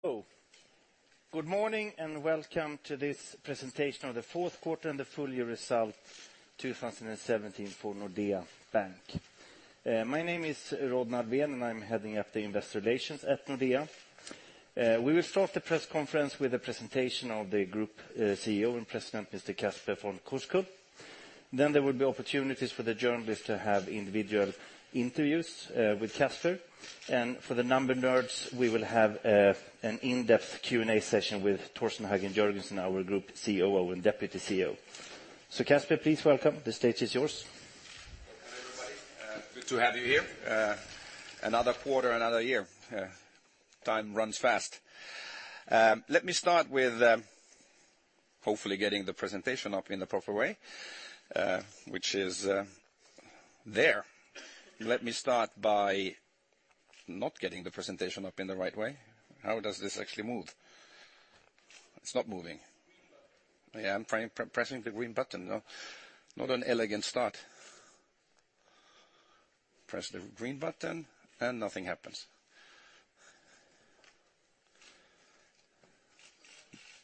Hello. Good morning, welcome to this presentation of the fourth quarter and the full year result 2017 for Nordea Bank. My name is Rodney Alfvén, and I'm heading up the investor relations at Nordea. We will start the press conference with a presentation of the Group CEO and President, Mr. Casper von Koskull. There will be opportunities for the journalists to have individual interviews with Casper. For the number nerds, we will have an in-depth Q&A session with Torsten Hagen Jørgensen, our Group COO and Deputy CEO. Casper, please welcome. The stage is yours. Welcome, everybody. Good to have you here. Another quarter, another year. Time runs fast. Let me start by not getting the presentation up in the right way. How does this actually move? It's not moving. Green button. Yeah, I'm pressing the green button. Not an elegant start. Press the green button, nothing happens.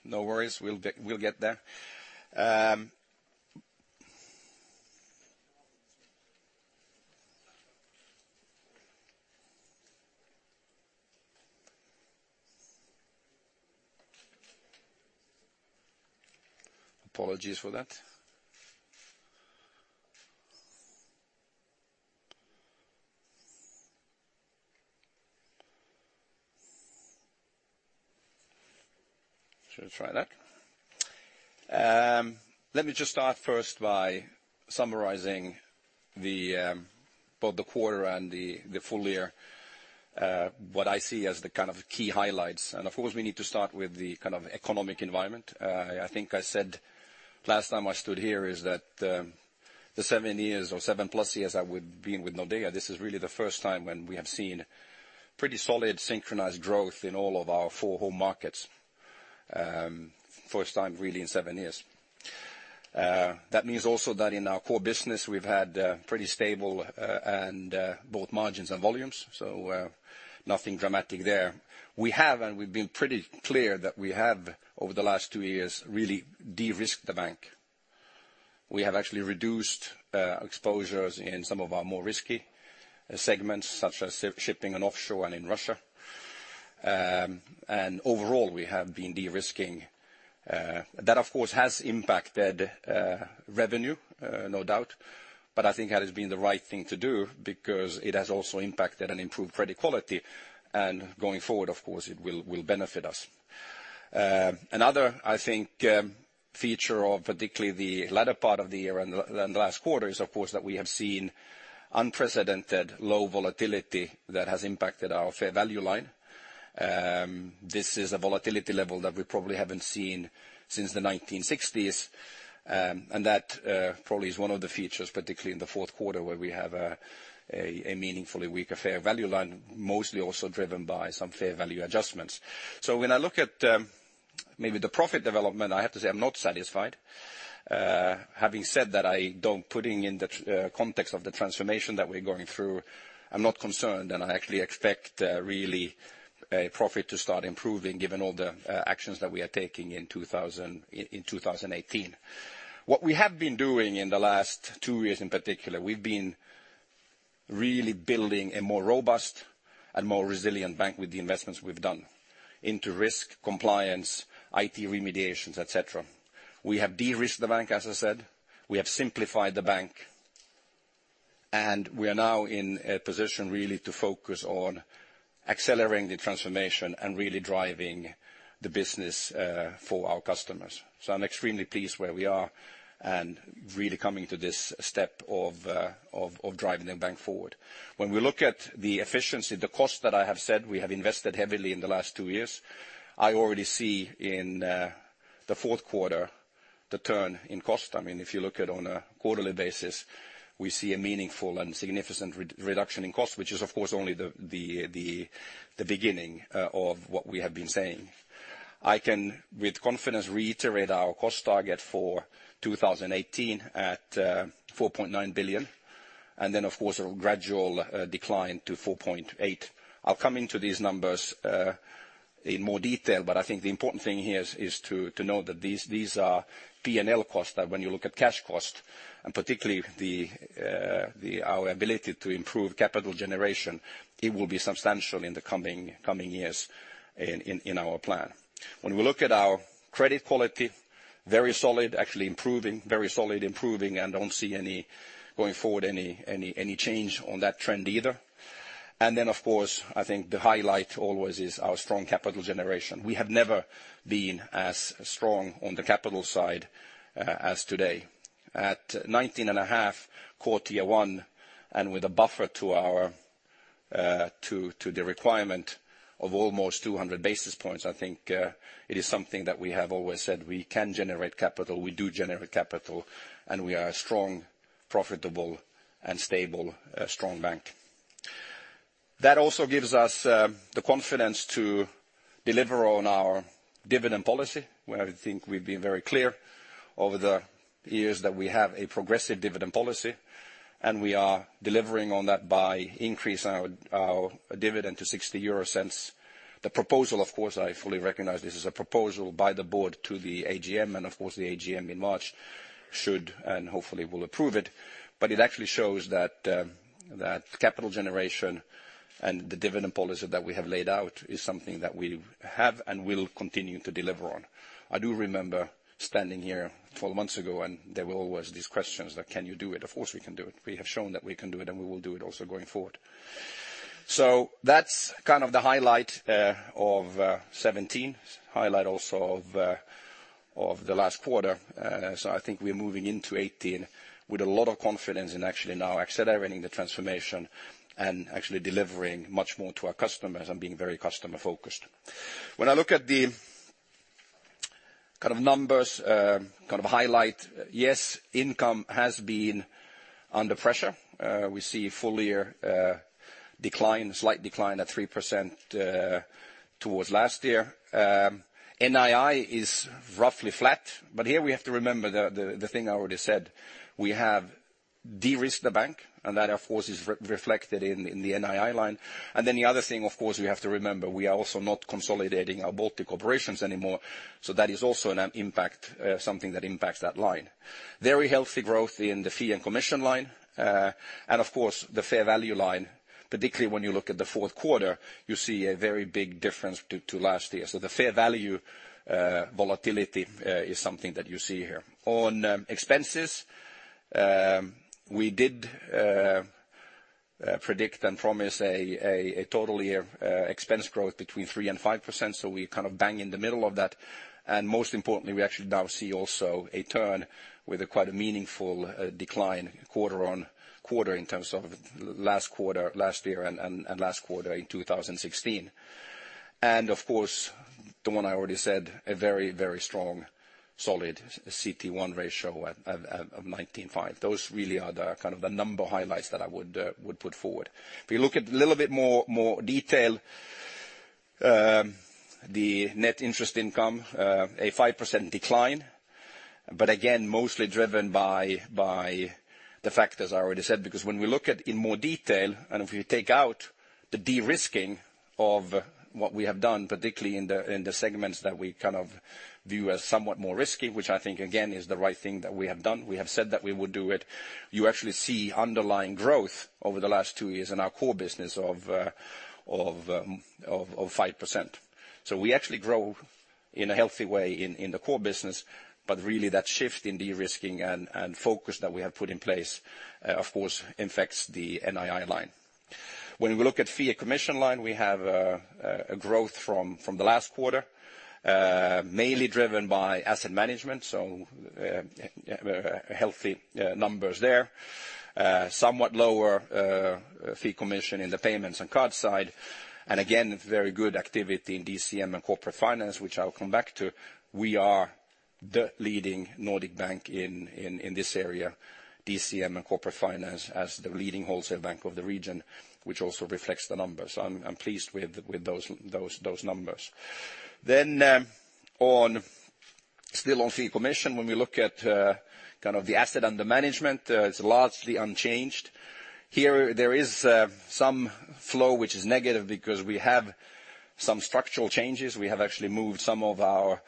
No worries, we'll get there. Apologies for that. Should try that. Let me just start first by summarizing both the quarter and the full year, what I see as the key highlights. Of course, we need to start with the economic environment. I think I said last time I stood here is that the seven years or 7+ years I would been with Nordea, this is really the first time when we have seen pretty solid synchronized growth in all of our four home markets. First time really in seven years. That means also that in our core business, we've had pretty stable both margins and volumes, so nothing dramatic there. We have, and we've been pretty clear that we have, over the last two years, really de-risked the bank. We have actually reduced exposures in some of our more risky segments, such as shipping and offshore and in Russia. Overall, we have been de-risking. That, of course, has impacted revenue, no doubt. I think that has been the right thing to do because it has also impacted and improved credit quality, and going forward, of course, it will benefit us. Another, I think, feature of particularly the latter part of the year and the last quarter is, of course, that we have seen unprecedented low volatility that has impacted our fair value line. This is a volatility level that we probably haven't seen since the 1960s. That probably is one of the features, particularly in the fourth quarter, where we have a meaningfully weaker fair value line, mostly also driven by some fair value adjustments. When I look at maybe the profit development, I have to say, I'm not satisfied. Having said that, putting in the context of the transformation that we're going through, I'm not concerned and I actually expect really a profit to start improving given all the actions that we are taking in 2018. What we have been doing in the last two years in particular, we've been really building a more robust and more resilient bank with the investments we've done into risk compliance, IT remediations, et cetera. We have de-risked the bank, as I said. We have simplified the bank, and we are now in a position really to focus on accelerating the transformation and really driving the business for our customers. I'm extremely pleased where we are and really coming to this step of driving the bank forward. When we look at the efficiency, the cost that I have said we have invested heavily in the last two years, I already see in the fourth quarter the turn in cost. If you look at on a quarterly basis, we see a meaningful and significant reduction in cost, which is, of course, only the beginning of what we have been saying. I can, with confidence, reiterate our cost target for 2018 at 4.9 billion, and then, of course, a gradual decline to 4.8. I'll come into these numbers in more detail, I think the important thing here is to know that these are P&L costs that when you look at cash cost, and particularly our ability to improve capital generation, it will be substantial in the coming years in our plan. When we look at our credit quality, very solid, actually improving. Very solid, improving, don't see going forward any change on that trend either. Then, of course, I think the highlight always is our strong capital generation. We have never been as strong on the capital side as today. At 19.5% core Tier 1, and with a buffer to the requirement of almost 200 basis points, I think it is something that we have always said we can generate capital, we do generate capital, and we are a strong, profitable, and stable bank. That also gives us the confidence to deliver on our Dividend policy, where I think we've been very clear over the years that we have a progressive dividend policy, and we are delivering on that by increasing our dividend to €0.60. The proposal, of course, I fully recognize this is a proposal by the board to the AGM. Of course, the AGM in March should, and hopefully will approve it. It actually shows that capital generation and the dividend policy that we have laid out is something that we have and will continue to deliver on. I do remember standing here 12 months ago, and there were always these questions like, "Can you do it?" Of course, we can do it. We have shown that we can do it, and we will do it also going forward. That's the highlight of 2017, highlight also of the last quarter. I think we're moving into 2018 with a lot of confidence in actually now accelerating the transformation and actually delivering much more to our customers and being very customer-focused. When I look at the numbers, highlight, yes, income has been under pressure. We see full year decline, slight decline at 3% towards last year. NII is roughly flat. Here we have to remember the thing I already said, we have de-risked the bank, and that, of course, is reflected in the NII line. The other thing, of course, we have to remember, we are also not consolidating our Baltic operations anymore. That is also something that impacts that line. Very healthy growth in the fee and commission line. Of course, the fair value line, particularly when you look at the fourth quarter, you see a very big difference to last year. The fair value volatility is something that you see here. On expenses, we did predict and promise a total year expense growth between 3% and 5%, we bang in the middle of that. Most importantly, we actually now see also a turn with quite a meaningful decline quarter-on-quarter in terms of last year and last quarter in 2016. Of course, the one I already said, a very, very strong, solid CET1 ratio of 19.5. Those really are the number highlights that I would put forward. If you look at a little bit more detail, the net interest income, a 5% decline. Again, mostly driven by the factors I already said, because when we look at in more detail, and if you take out the de-risking of what we have done, particularly in the segments that we view as somewhat more risky, which I think, again, is the right thing that we have done. We have said that we would do it. You actually see underlying growth over the last two years in our core business of 5%. We actually grow in a healthy way in the core business, but really that shift in de-risking and focus that we have put in place, of course, infects the NII line. When we look at fee and commission line, we have a growth from the last quarter, mainly driven by asset management, healthy numbers there. Somewhat lower fee and commission in the payments and card side. Again, very good activity in DCM and corporate finance, which I'll come back to. We are the leading Nordic bank in this area, DCM and corporate finance, as the leading wholesale bank of the region, which also reflects the numbers. I'm pleased with those numbers. Still on fee and commission, when we look at the asset under management, it's largely unchanged. Here, there is some flow which is negative because we have some structural changes. We have actually moved some of our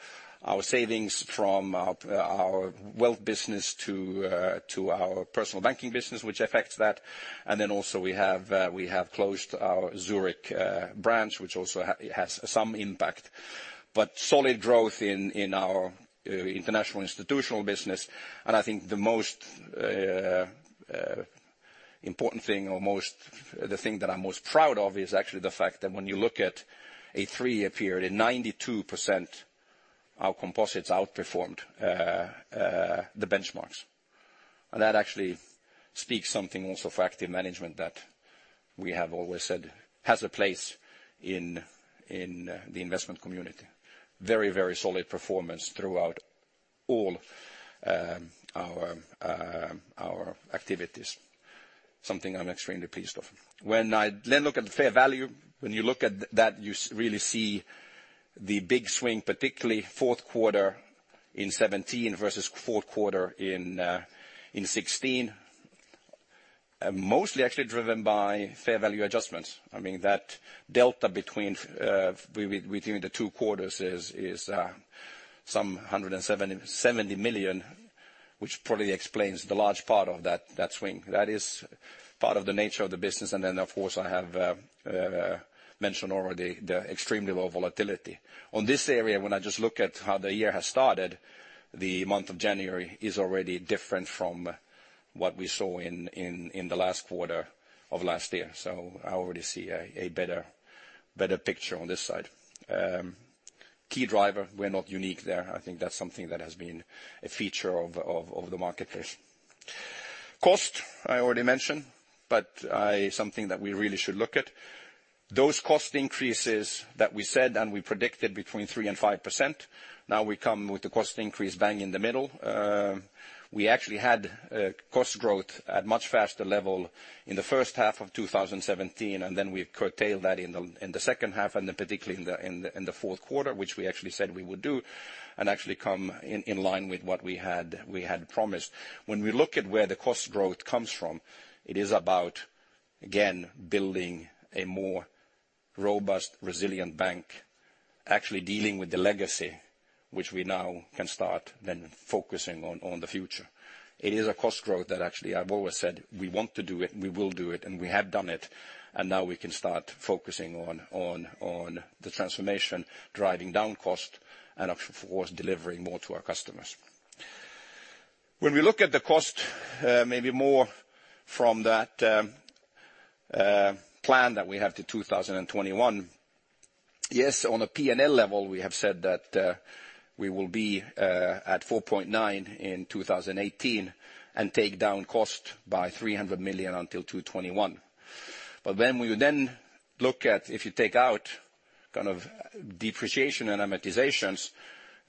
savings from our wealth business to our personal banking business, which affects that. Also we have closed our Zurich branch, which also has some impact. Solid growth in our international institutional business. I think the most important thing, or the thing that I'm most proud of, is actually the fact that when you look at a three-year period, 92% our composites outperformed the benchmarks. That actually speaks something also for active management that we have always said has a place in the investment community. Very, very solid performance throughout all our activities. Something I'm extremely pleased of. When I look at the fair value, when you look at that, you really see the big swing, particularly fourth quarter in 2017 versus fourth quarter in 2016. Mostly actually driven by fair value adjustments. I mean, that delta between the two quarters is some 170 million, which probably explains the large part of that swing. That is part of the nature of the business. Of course, I have mentioned already the extremely low volatility. On this area, when I just look at how the year has started, the month of January is already different from what we saw in the last quarter of last year. I already see a better picture on this side. Key driver, we're not unique there. I think that's something that has been a feature of the marketplace. Cost, I already mentioned, but something that we really should look at. Those cost increases that we said and we predicted between 3%-5%. Now we come with the cost increase bang in the middle. We actually had cost growth at much faster level in the first half of 2017, and then we've curtailed that in the second half, and then particularly in the fourth quarter, which we actually said we would do, and actually come in line with what we had promised. When we look at where the cost growth comes from, it is about, again, building a more robust, resilient bank, actually dealing with the legacy, which we now can start then focusing on the future. It is a cost growth that actually I've always said, we want to do it, and we will do it, and we have done it, and now we can start focusing on the transformation, driving down cost, and of course, delivering more to our customers. When we look at the cost, maybe more from that plan that we have to 2021, yes, on a P&L level, we have said that we will be at 4.9 in 2018 and take down cost by 300 million until 2021. When we look at if you take out depreciation and amortizations,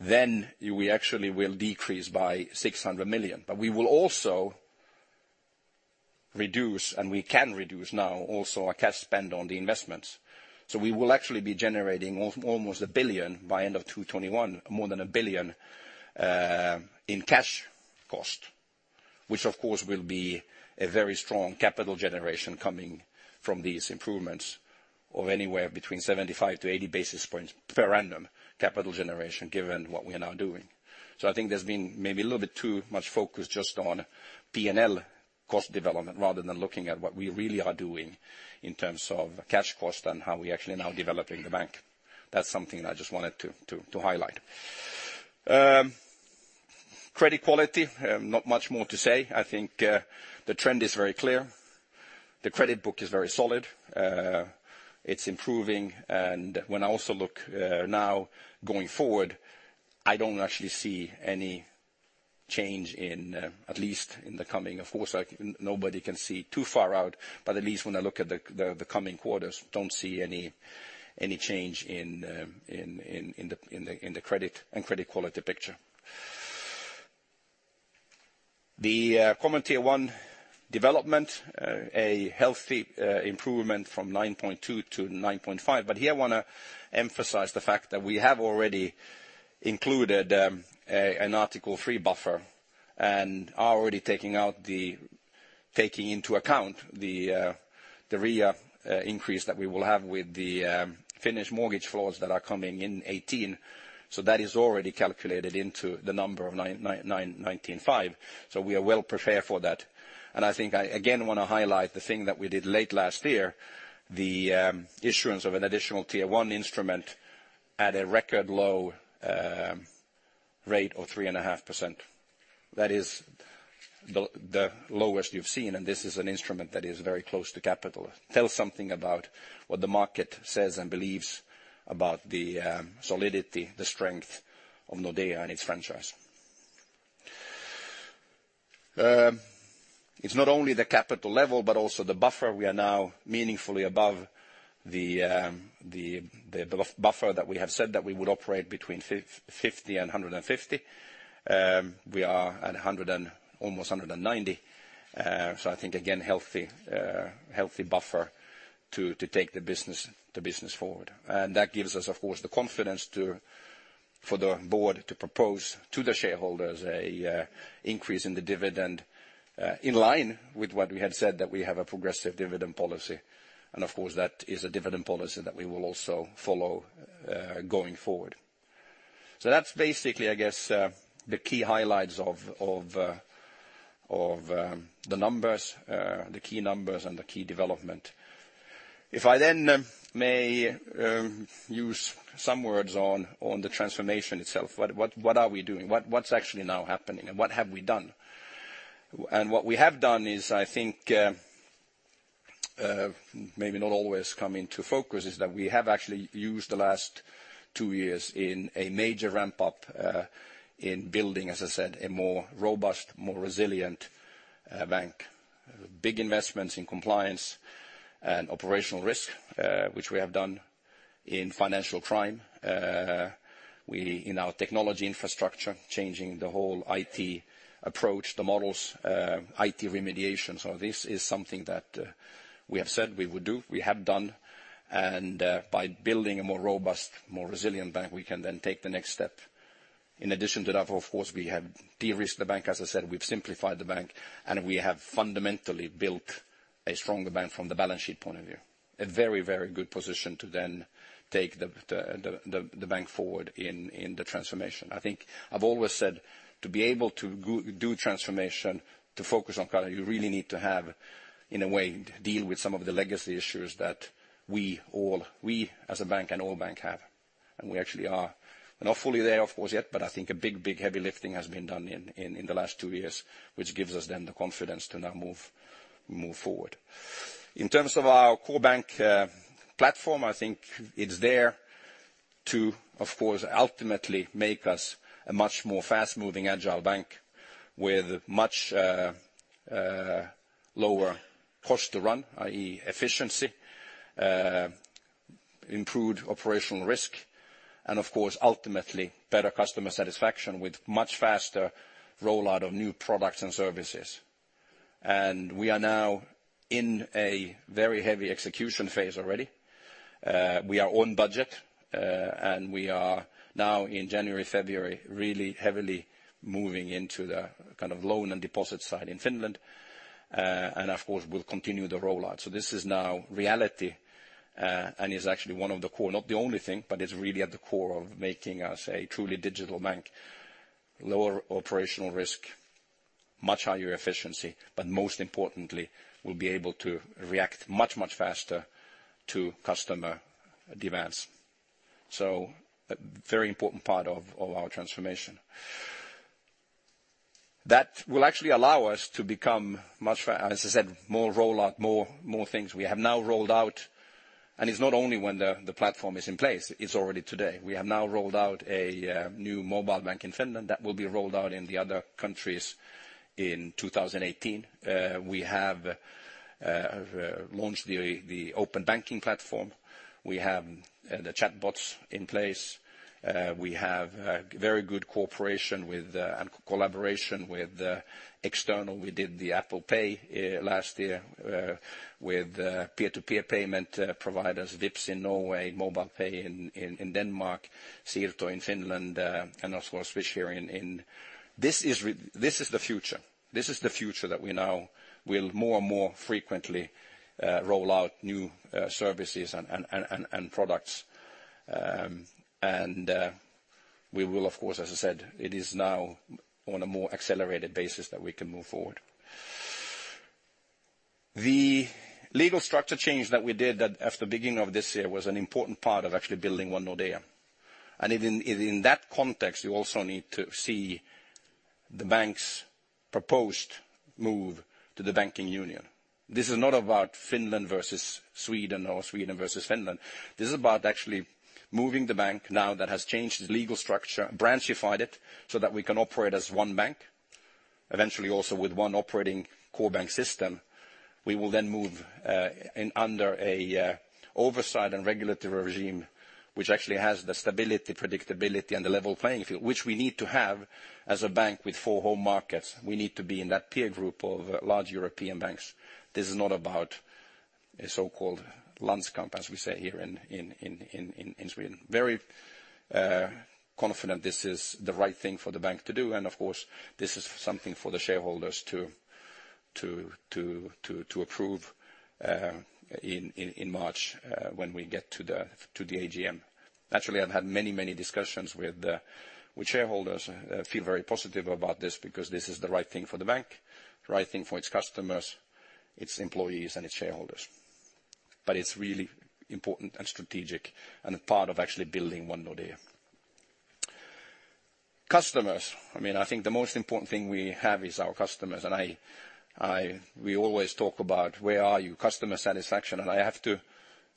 then we actually will decrease by 600 million. We will also reduce, and we can reduce now also our cash spend on the investments. We will actually be generating almost 1 billion by end of 2021, more than 1 billion in cash cost, which of course, will be a very strong capital generation coming from these improvements of anywhere between 75 to 80 basis points per annum capital generation, given what we are now doing. I think there's been maybe a little bit too much focus just on P&L cost development, rather than looking at what we really are doing in terms of cash cost and how we actually now developing the bank. That's something I just wanted to highlight. Credit quality, not much more to say. I think the trend is very clear. The credit book is very solid. It's improving. When I also look now going forward, I don't actually see any change in, at least in the coming, of course, nobody can see too far out, but at least when I look at the coming quarters, don't see any change in the credit and credit quality picture. The Common Tier 1 development, a healthy improvement from 9.2% to 9.5%. Here I want to emphasize the fact that we have already included an Article 3 buffer and are already taking into account the REA increase that we will have with the Finnish mortgage floors that are coming in 2018. That is already calculated into the number of 9.5%. We are well prepared for that. I think I, again, want to highlight the thing that we did late last year, the issuance of an Additional Tier 1 instrument at a record low rate of 3.5%. That is the lowest you've seen, and this is an instrument that is very close to capital. Tells something about what the market says and believes about the solidity, the strength of Nordea and its franchise. It's not only the capital level, but also the buffer. We are now meaningfully above the buffer that we have said that we would operate between 50 and 150. We are at almost 190. I think, again, healthy buffer to take the business forward. That gives us, of course, the confidence for the board to propose to the shareholders an increase in the dividend, in line with what we had said that we have a progressive dividend policy. Of course, that is a dividend policy that we will also follow going forward. That's basically, I guess, the key highlights of the numbers, the key numbers and the key development. If I then may use some words on the transformation itself, what are we doing? What's actually now happening and what have we done? What we have done is, I think, maybe not always come into focus, is that we have actually used the last two years in a major ramp-up in building, as I said, a more robust, more resilient bank. Big investments in compliance and operational risk, which we have done in financial crime. In our technology infrastructure, changing the whole IT approach, the models, IT remediation. This is something that we have said we would do, we have done. By building a more robust, more resilient bank, we can then take the next step. In addition to that, of course, we have de-risked the bank, as I said, we've simplified the bank, and we have fundamentally built a stronger bank from the balance sheet point of view. A very good position to then take the bank forward in the transformation. I think I've always said, to be able to do transformation, to focus on credit, you really need to have, in a way, deal with some of the legacy issues that we as a bank and all bank have. We actually are not fully there, of course, yet, but I think a big, big heavy lifting has been done in the last two years, which gives us then the confidence to now move forward. In terms of our core bank platform, I think it's there to, of course, ultimately make us a much more fast-moving, agile bank. With much lower cost to run, i.e. efficiency, improved operational risk, and of course, ultimately, better customer satisfaction with much faster rollout of new products and services. We are now in a very heavy execution phase already. We are on budget. We are now in January, February, really heavily moving into the loan and deposit side in Finland. Of course, we'll continue the rollout. This is now reality, and is actually one of the core, not the only thing, but it's really at the core of making us a truly digital bank. Lower operational risk, much higher efficiency, but most importantly, we'll be able to react much faster to customer demands. A very important part of our transformation. That will actually allow us to become much faster, as I said, more rollout, more things we have now rolled out. It's not only when the platform is in place, it's already today. We have now rolled out a new mobile bank in Finland that will be rolled out in the other countries in 2018. We have launched the open banking platform. We have the chatbots in place. We have very good cooperation with, and collaboration with the external. We did the Apple Pay last year with peer-to-peer payment providers, Vipps in Norway, MobilePay in Denmark, Siirto in Finland, Swish here. This is the future that we now will more and more frequently roll out new services and products. We will, of course, as I said, it is now on a more accelerated basis that we can move forward. The legal structure change that we did at the beginning of this year was an important part of actually building One Nordea. In that context, you also need to see the bank's proposed move to the Banking Union. This is not about Finland versus Sweden or Sweden versus Finland. This is about actually moving the bank now that has changed its legal structure, branchified it, so that we can operate as one bank, eventually also with one operating core bank system. We will move under a oversight and regulatory regime, which actually has the stability, predictability, and the level playing field, which we need to have as a bank with four home markets. We need to be in that peer group of large European banks. This is not about a so-called landskamp, as we say here in Sweden. Very confident this is the right thing for the bank to do. Of course, this is something for the shareholders to approve in March when we get to the AGM. Actually, I've had many discussions with shareholders, feel very positive about this because this is the right thing for the bank, the right thing for its customers, its employees, and its shareholders. It's really important and strategic, and a part of actually building One Nordea. Customers. I think the most important thing we have is our customers, and we always talk about where are you, customer satisfaction, and I have to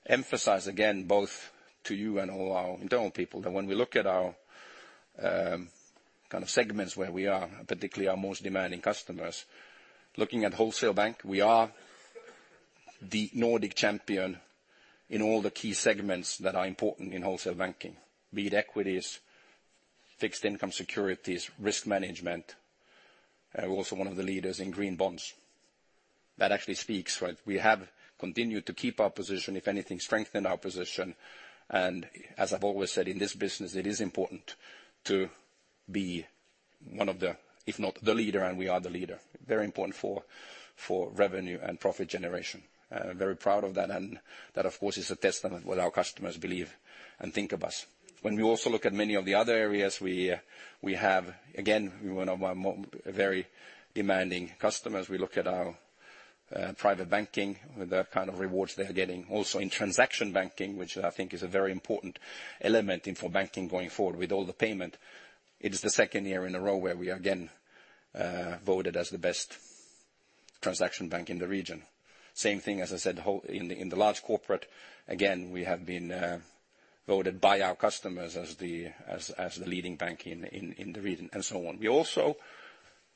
emphasize again, both to you and all our internal people, that when we look at our segments where we are, particularly our most demanding customers, looking at wholesale bank, we are the Nordic champion in all the key segments that are important in wholesale banking, be it equities, fixed-income securities, risk management, also one of the leaders in green bonds. That actually speaks. We have continued to keep our position, if anything, strengthened our position. As I've always said, in this business, it is important to be one of the, if not the leader, and we are the leader. Very important for revenue and profit generation. Very proud of that, and that of course, is a testament what our customers believe and think of us. When we also look at many of the other areas we have, again, one of our very demanding customers, we look at our private banking with the kind of rewards they're getting. Also in transaction banking, which I think is a very important element in for banking going forward with all the payment. It is the second year in a row where we are again, voted as the best transaction bank in the region. Same thing, as I said, in the large corporate, again, we have been voted by our customers as the leading bank in the region, and so on. We're also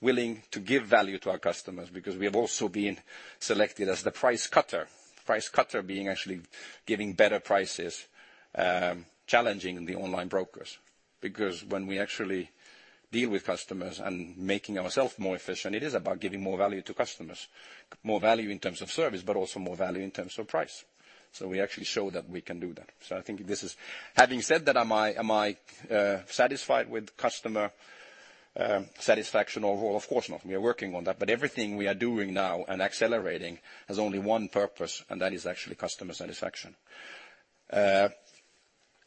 willing to give value to our customers because we have also been selected as the price cutter. Price cutter being actually giving better prices, challenging the online brokers. When we actually deal with customers and making ourselves more efficient, it is about giving more value to customers, more value in terms of service, but also more value in terms of price. We actually show that we can do that. I think this is Having said that, am I satisfied with customer satisfaction overall? Of course not. We are working on that. Everything we are doing now and accelerating has only one purpose, and that is actually customer satisfaction.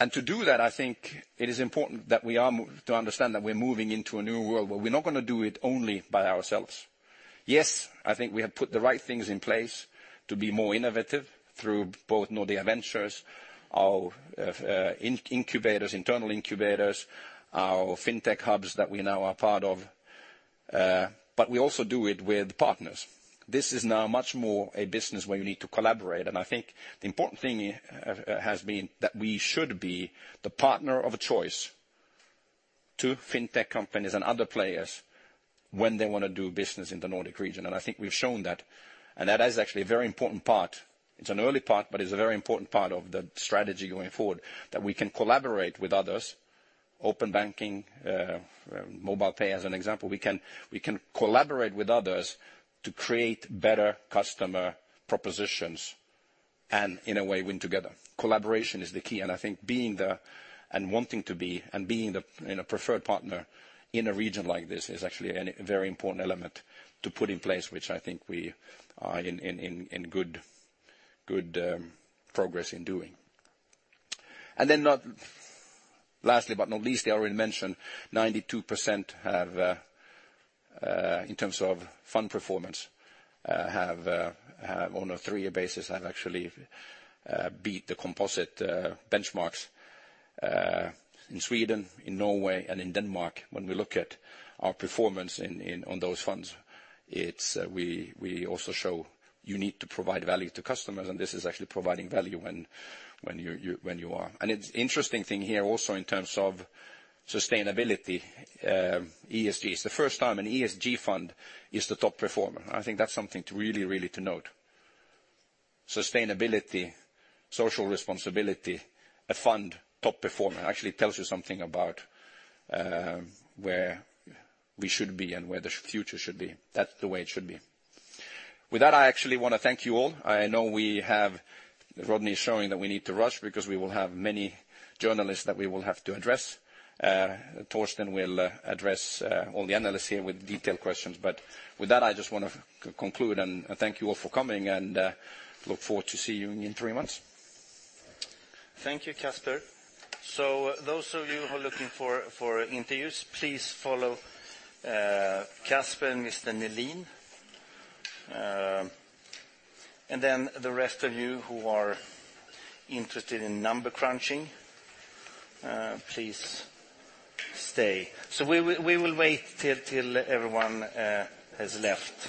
To do that, I think it is important to understand that we're moving into a new world where we're not going to do it only by ourselves. Yes, I think we have put the right things in place to be more innovative through both Nordea Ventures, our internal incubators, our fintech hubs that we now are part of. We also do it with partners. This is now much more a business where you need to collaborate. I think the important thing here has been that we should be the partner of choice to fintech companies and other players when they want to do business in the Nordic region. I think we've shown that. That is actually a very important part. It is an early part, but it is a very important part of the strategy going forward, that we can collaborate with others, open banking, MobilePay as an example. We can collaborate with others to create better customer propositions, and in a way, win together. Collaboration is the key, and I think wanting to be and being the preferred partner in a region like this is actually a very important element to put in place, which I think we are in good progress in doing. Lastly but not least, I already mentioned 92%, in terms of fund performance, on a three-year basis, have actually beat the composite benchmarks, in Sweden, in Norway, and in Denmark. When we look at our performance on those funds, we also show you need to provide value to customers, and this is actually providing value when you are. It is interesting thing here also in terms of sustainability, ESG. It is the first time an ESG fund is the top performer. I think that is something really to note. Sustainability, social responsibility, a fund top performer actually tells you something about where we should be and where the future should be. That is the way it should be. With that, I actually want to thank you all. Rodney is showing that we need to rush, because we will have many journalists that we will have to address. Torsten will address all the analysts here with detailed questions. With that, I just want to conclude and thank you all for coming, and look forward to seeing you in three months. Thank you, Casper. Those of you who are looking for interviews, please follow Casper and Mr. Nylén. The rest of you who are interested in number crunching, please stay. We will wait till everyone has left.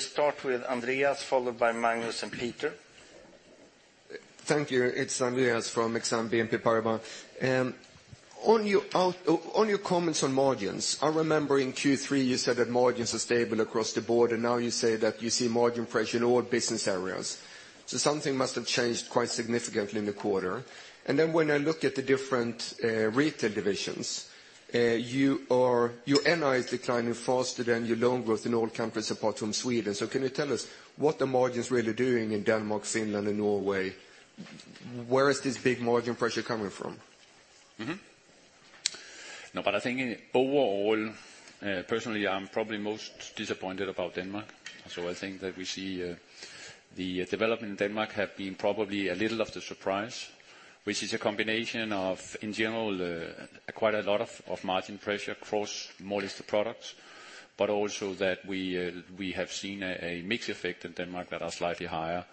We start with Andreas, followed by Magnus and Peter. Thank you. It is Andreas from Exane BNP Paribas. On your comments on margins, I remember in Q3, you said that margins are stable across the board, now you say that you see margin pressure in all business areas. Something must have changed quite significantly in the quarter. When I look at the different retail divisions, your NII is declining faster than your loan growth in all countries apart from Sweden. Can you tell us what the margin is really doing in Denmark, Finland, and Norway? Where is this big margin pressure coming from? I think overall, personally, I'm probably most disappointed about Denmark. I think that we see the development in Denmark have been probably a little of the surprise, which is a combination of, in general, quite a lot of margin pressure across most products, but also that we have seen a mix effect in Denmark that are slightly higher,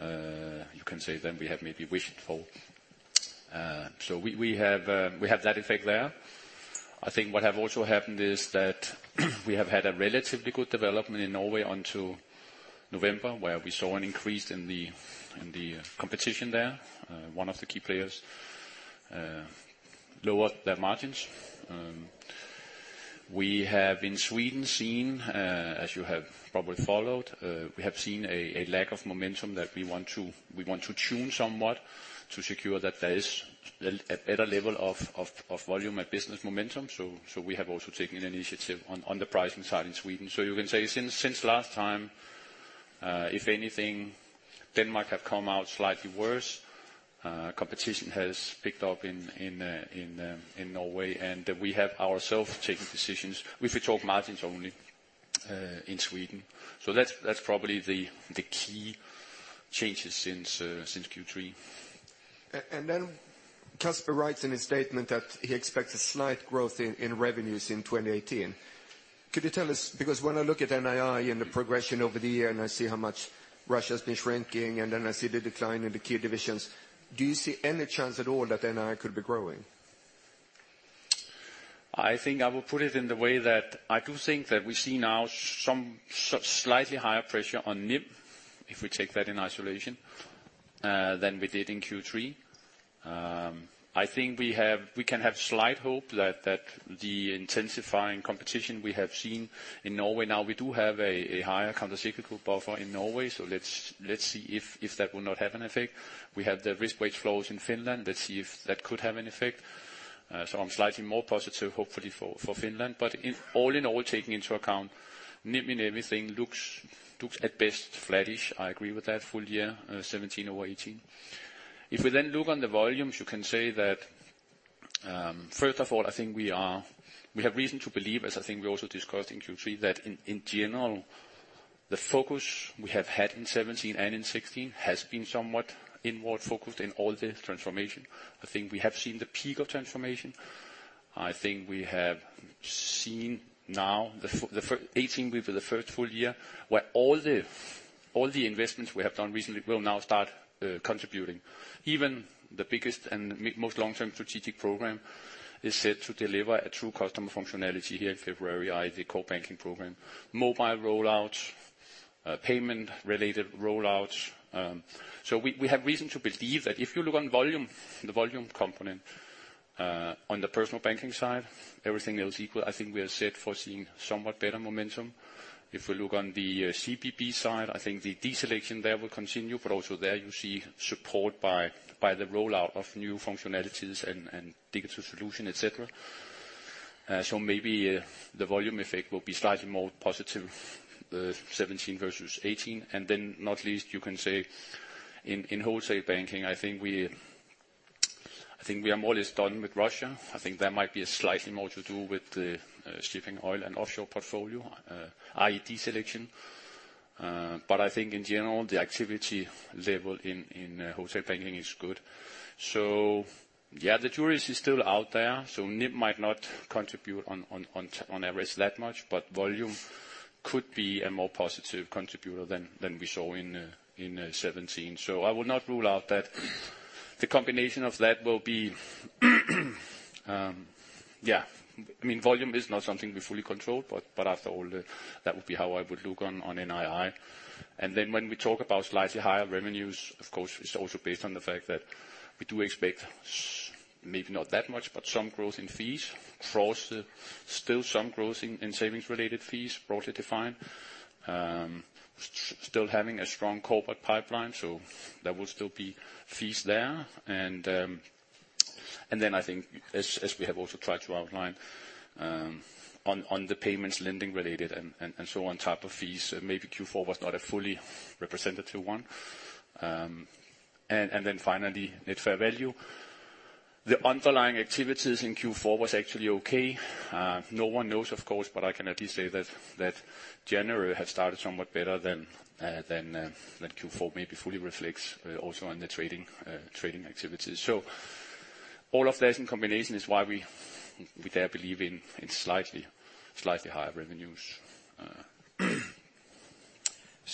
you can say, than we have maybe wished for. We have that effect there. I think what have also happened is that we have had a relatively good development in Norway until November, where we saw an increase in the competition there. One of the key players lowered their margins. We have, in Sweden, as you have probably followed, seen a lack of momentum that we want to tune somewhat to secure that there is a better level of volume and business momentum. We have also taken an initiative on the pricing side in Sweden. You can say since last time, if anything, Denmark have come out slightly worse. Competition has picked up in Norway, we have ourselves taken decisions, if we talk margins only, in Sweden. That's probably the key changes since Q3. Casper writes in his statement that he expects a slight growth in revenues in 2018. Could you tell us, because when I look at NII and the progression over the year, I see how much Russia's been shrinking, I see the decline in the key divisions, do you see any chance at all that NII could be growing? I think I will put it in the way that I do think that we see now some slightly higher pressure on NIM, if we take that in isolation, than we did in Q3. I think we can have slight hope that the intensifying competition we have seen in Norway now, we do have a higher countercyclical buffer in Norway, let's see if that will not have an effect. We have the risk weight floors in Finland. Let's see if that could have an effect. I'm slightly more positive, hopefully, for Finland. All in all, taking into account NIM and everything looks, at best, flattish. I agree with that full year, 2017 over 2018. We then look on the volumes, you can say that First of all, I think we have reason to believe, as I think we also discussed in Q3, that in general, the focus we have had in 2017 and in 2016 has been somewhat inward-focused in all the transformation. I think we have seen the peak of transformation. I think we have seen now, 2018, with the first full year, where all the investments we have done recently will now start contributing. Even the biggest and most long-term strategic program is set to deliver a true customer functionality here in February, i.e., the core banking program, mobile rollouts, payment-related rollouts. We have reason to believe that if you look on volume, the volume component on the personal banking side, everything else equal, I think we are set for seeing somewhat better momentum. If we look on the CBB side, I think the deselection there will continue, but also there you see support by the rollout of new functionalities and digital solution, et cetera. Maybe the volume effect will be slightly more positive, 2017 versus 2018. Not least, you can say in wholesale banking, I think we are more or less done with Russia. I think there might be slightly more to do with the shipping oil and offshore portfolio, i.e., deselection. I think in general, the activity level in wholesale banking is good. Yeah, the jury is still out there, NIM might not contribute on average that much, but volume could be a more positive contributor than we saw in 2017. I would not rule out that the combination of that will be Yeah. Volume is not something we fully control, but after all, that would be how I would look on NII. When we talk about slightly higher revenues, of course, it's also based on the fact that we do expect maybe not that much, but some growth in fees, still some growth in savings-related fees, broadly defined. Still having a strong corporate pipeline, there will still be fees there. I think, as we have also tried to outline on the payments, lending-related and so on type of fees, maybe Q4 was not a fully representative one. Finally, net fair value. The underlying activities in Q4 was actually okay. No one knows, of course, but I can at least say that January has started somewhat better than Q4 maybe fully reflects also on the trading activities. All of that in combination is why we dare believe in slightly higher revenues.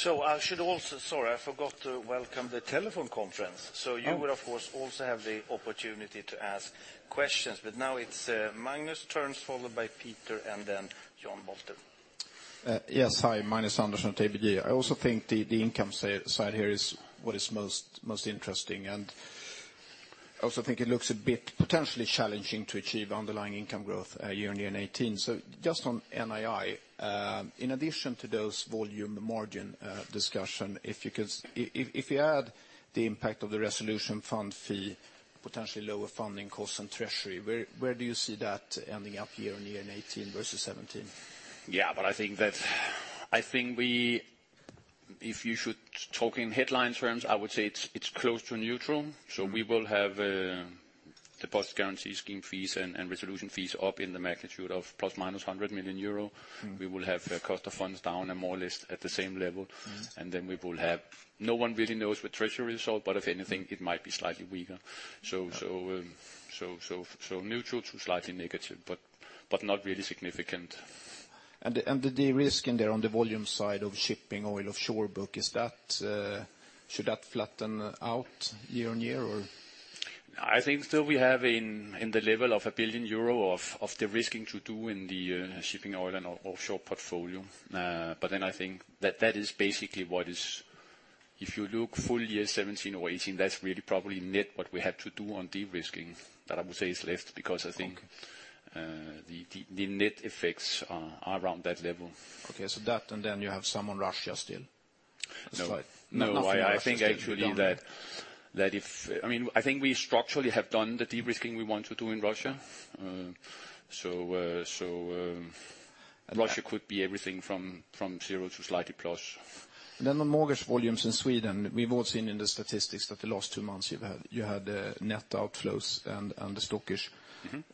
I should also, sorry, I forgot to welcome the telephone conference. Oh. You would, of course, also have the opportunity to ask questions. Now it's Magnus turns, followed by Peter, and then John Walter. Yes. Hi. Magnus Andersson, ABG. I also think the income side here is what is most interesting, and I also think it looks a bit potentially challenging to achieve underlying income growth year on year in 2018. Just on NII, in addition to those volume margin discussion, if you add the impact of the resolution fund fee, potentially lower funding costs on treasury, where do you see that ending up year on year in 2018 versus 2017? Yeah, I think if you should talk in headline terms, I would say it's close to neutral. We will have the post guarantee scheme fees and resolution fees up in the magnitude of plus minus 100 million euro. We will have cost of funds down and more or less at the same level. We will have, no one really knows the treasury result, but if anything, it might be slightly weaker. Neutral to slightly negative, but not really significant. The de-risking there on the volume side of shipping oil offshore book, should that flatten out year-over-year or? I think still we have in the level of 1 billion euro of de-risking to do in the shipping oil and offshore portfolio. I think that is basically what is, if you look full year 2017 or 2018, that's really probably net what we have to do on de-risking that I would say is left, because I think the net effects are around that level. Okay. That, then you have some on Russia still? No. Nothing in Russia to be done. I think we structurally have done the de-risking we want to do in Russia. Russia could be everything from zero to slightly plus. On mortgage volumes in Sweden, we've all seen in the statistics that the last two months you had net outflows and the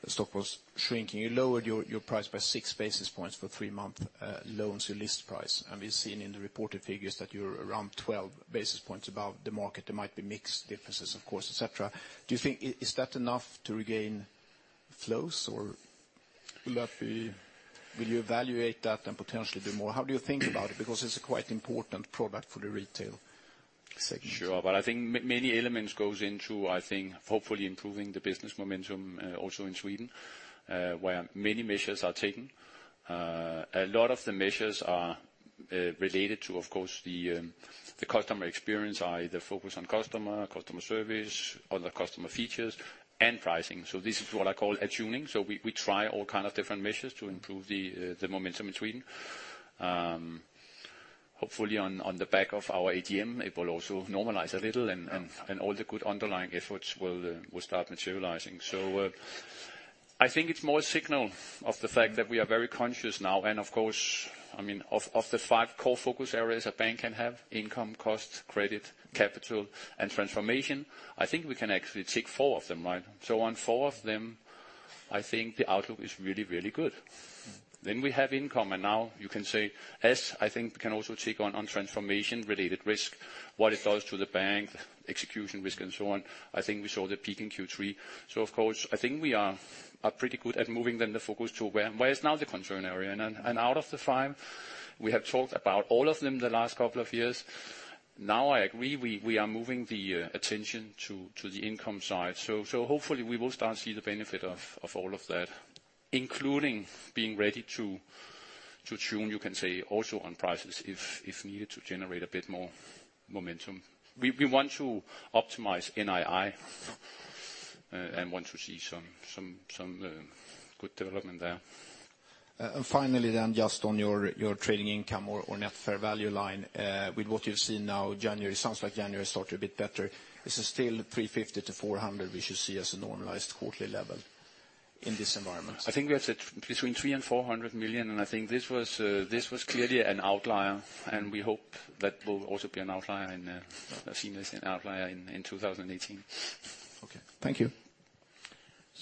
stock was shrinking. You lowered your price by six basis points for three-month loans, your list price. We've seen in the reported figures that you're around 12 basis points above the market. There might be mix differences, of course, et cetera. Do you think is that enough to regain flows or will you evaluate that and potentially do more? How do you think about it? Because it's a quite important product for the retail segment. Sure. I think many elements goes into, I think, hopefully improving the business momentum also in Sweden, where many measures are taken. A lot of the measures are related to, of course, the customer experience, i.e., the focus on customer service, other customer features, and pricing. This is what I call attuning. We try all kind of different measures to improve the momentum in Sweden. Hopefully on the back of our ATM, it will also normalize a little and all the good underlying efforts will start materializing. I think it's more a signal of the fact that we are very conscious now. Of course, of the five core focus areas a bank can have, income, cost, credit, capital, and transformation, I think we can actually tick four of them. On four of them, I think the outlook is really good. We have income, now you can say, as I think we can also tick on transformation-related risk, what it does to the bank, execution risk and so on. I think we saw the peak in Q3. Of course, I think we are pretty good at moving then the focus to where is now the concern area. Out of the five, we have talked about all of them the last couple of years. Now, I agree, we are moving the attention to the income side. Hopefully we will start to see the benefit of all of that, including being ready to tune, you can say, also on prices if needed to generate a bit more momentum. We want to optimize NII, want to see some good development there. Finally, just on your trading income or net fair value line, with what you've seen now, it sounds like January started a bit better. Is it still 350 million to 400 million we should see as a normalized quarterly level in this environment? I think we have said between 300 million and 400 million, I think this was clearly an outlier, we hope that will also be an outlier, I've seen this an outlier in 2018. Okay. Thank you.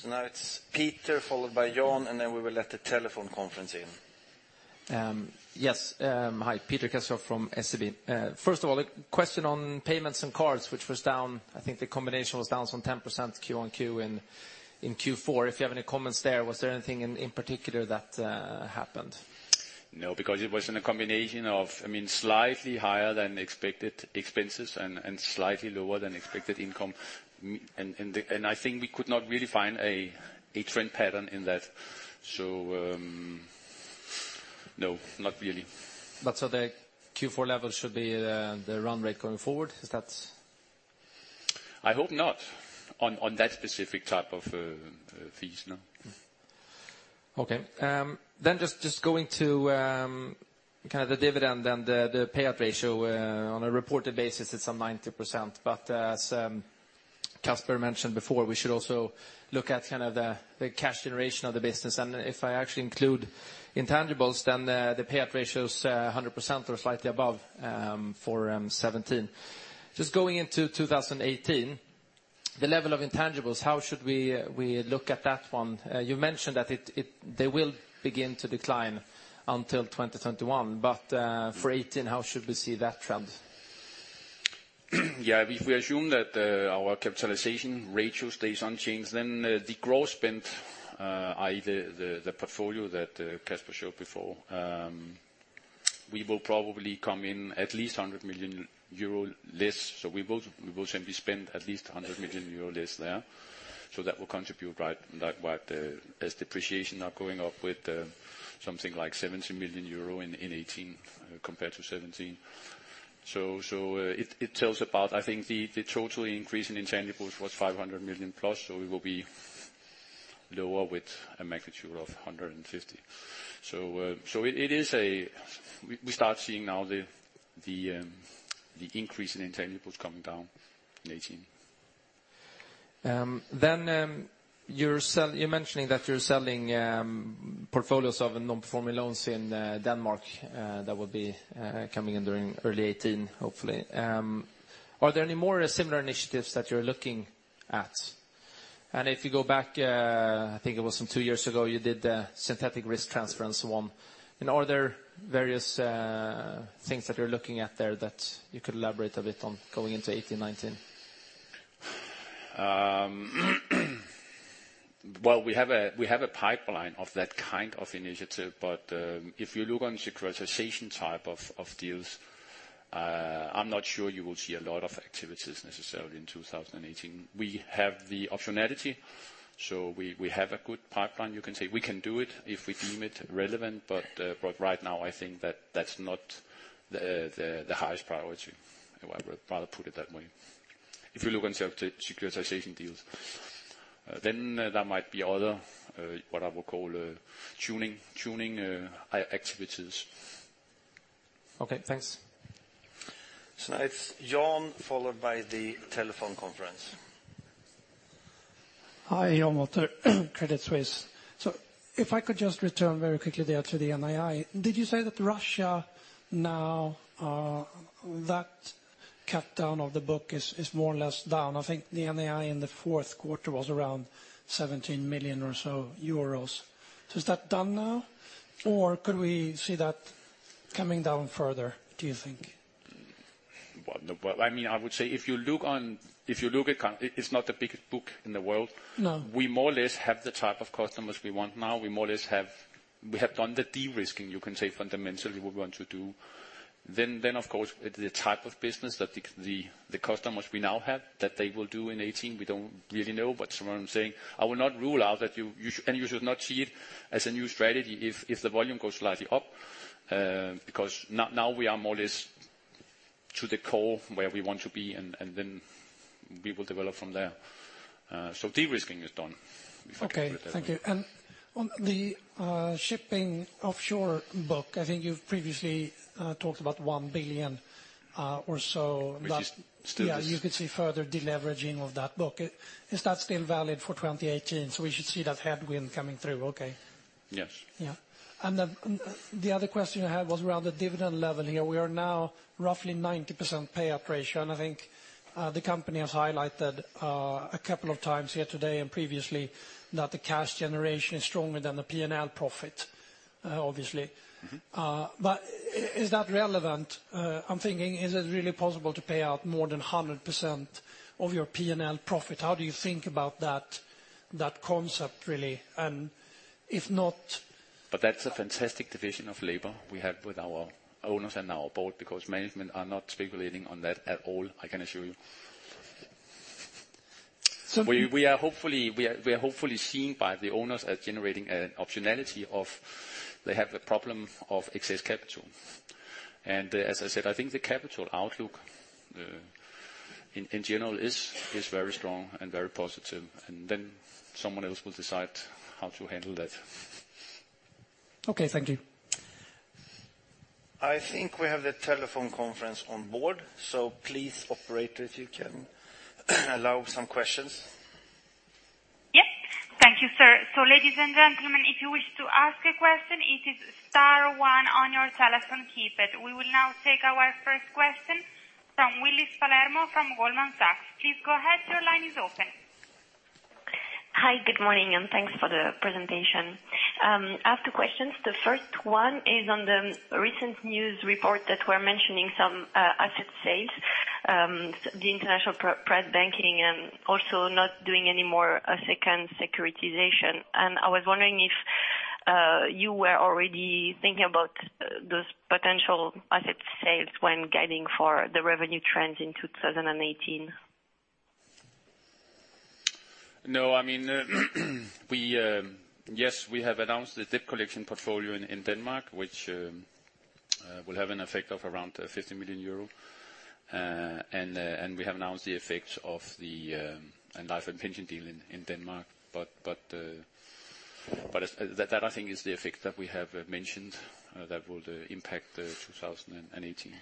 Now it's Peter followed by John, and then we will let the telephone conference in. Yes. Hi, Peter Kessiakoff from SEB. First of all, a question on payments and cards, which was down, I think the combination was down some 10% Q on Q in Q4, if you have any comments there, was there anything in particular that happened? No, because it was in a combination of slightly higher than expected expenses and slightly lower than expected income. I think we could not really find a trend pattern in that. No, not really. The Q4 level should be the run rate going forward. Is that? I hope not, on that specific type of fees, no. Okay. Just going to the dividend, the payout ratio on a reported basis it's on 90%, but as Casper mentioned before, we should also look at the cash generation of the business. If I actually include intangibles, the payout ratio's 100% or slightly above for 2017. Going into 2018, the level of intangibles, how should we look at that one? You mentioned that they will begin to decline until 2021. For 2018, how should we see that trend? If we assume that our capitalization ratio stays unchanged, the growth spend, i.e., the portfolio that Casper showed before, we will probably come in at least 100 million euro less. We will simply spend at least 100 million euro less there. That will contribute right as depreciation now going up with something like 70 million euro in 2018 compared to 2017. It tells about, I think the total increase in intangibles was 500 million plus, we will be lower with a magnitude of 150 million. We start seeing now the increase in intangibles coming down in 2018. You're mentioning that you're selling portfolios of non-performing loans in Denmark that will be coming in during early 2018, hopefully. Are there any more similar initiatives that you're looking at? If you go back, I think it was some two years ago, you did the synthetic risk transfer and so on. Are there various things that you're looking at there that you could elaborate a bit on going into 2018, 2019? Well, we have a pipeline of that kind of initiative, but if you look on securitization type of deals, I'm not sure you will see a lot of activities necessarily in 2018. We have the optionality, so we have a good pipeline you can say. We can do it if we deem it relevant, but right now I think that's not the highest priority. I would rather put it that way. If you look into the securitization deals, there might be other what I would call tuning our activities. Okay, thanks. Now it's John, followed by the telephone conference. Hi, John Walter, Credit Suisse. If I could just return very quickly there to the NII. Did you say that Russia now are, that cut down of the book is more or less down? I think the NII in the fourth quarter was around 17 million or so. Is that done now, or could we see that coming down further, do you think? Well, I would say it's not the biggest book in the world. No. We more or less have the type of customers we want now. We have done the de-risking, you can say, fundamentally we want to do. Of course, the type of business that the customers we now have, that they will do in 2018, we don't really know. What I'm saying, I will not rule out that you should not see it as a new strategy if the volume goes slightly up, because now we are more or less to the core where we want to be, and then we will develop from there. De-risking is done. Okay. Thank you. On the shipping offshore book, I think you've previously talked about 1 billion or so. Which is still the same. You could see further de-leveraging of that book. Is that still valid for 2018? We should see that headwind coming through okay? Yes. The other question I had was around the dividend level. We are now roughly 90% payout ratio, I think the company has highlighted a couple of times here today and previously that the cash generation is stronger than the P&L profit, obviously. Is that relevant? I'm thinking, is it really possible to pay out more than 100% of your P&L profit? How do you think about that concept, really? That's a fantastic division of labor we have with our owners and our board, because management are not speculating on that at all, I can assure you. We are hopefully seen by the owners as generating an optionality of, they have a problem of excess capital. As I said, I think the capital outlook, in general, is very strong and very positive, and then someone else will decide how to handle that. Okay. Thank you. I think we have the telephone conference on board, please, operator, if you can allow some questions. Yes. Thank you, sir. Ladies and gentlemen, if you wish to ask a question, it is star one on your telephone keypad. We will now take our first question from Willis Palermo from Goldman Sachs. Please go ahead. Your line is open. Hi. Good morning, and thanks for the presentation. I have two questions. The first one is on the recent news report that we are mentioning some asset sales. The international private banking. Also not doing any more second securitization. I was wondering if you were already thinking about those potential asset sales when guiding for the revenue trends in 2018. No. Yes, we have announced the debt collection portfolio in Denmark, which will have an effect of around 50 million euro. We have announced the effect of the life and pension deal in Denmark. That I think is the effect that we have mentioned that will impact 2018.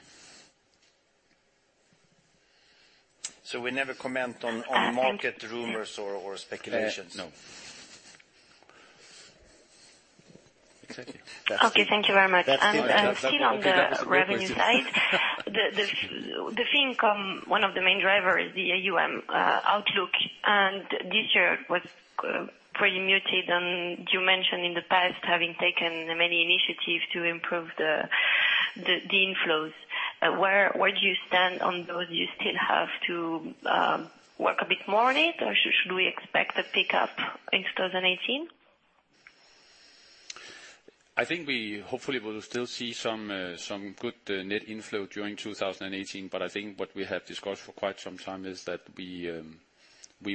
We never comment on market rumors or speculations. No. Exactly. Okay. Thank you very much. That's the end. Still on the revenue side. Okay, that was a great question. The Fincom, one of the main drivers, the AUM outlook, this year was pretty muted. You mentioned in the past having taken many initiatives to improve the inflows. Where do you stand on those? You still have to work a bit more on it, or should we expect a pickup in 2018? I think we hopefully will still see some good net inflow during 2018. I think what we have discussed for quite some time is that we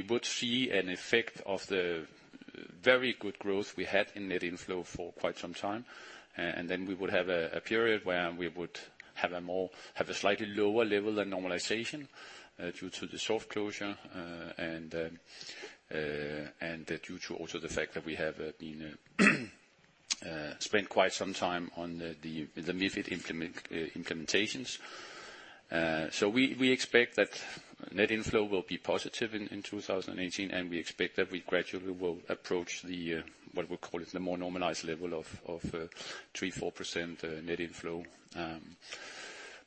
would see an effect of the very good growth we had in net inflow for quite some time. Then we would have a period where we would have a slightly lower level than normalization due to the soft closure. Due to also the fact that we have spent quite some time on the MiFID implementations. We expect that net inflow will be positive in 2018, and we expect that we gradually will approach the, what we call it, the more normalized level of 3%, 4% net inflow.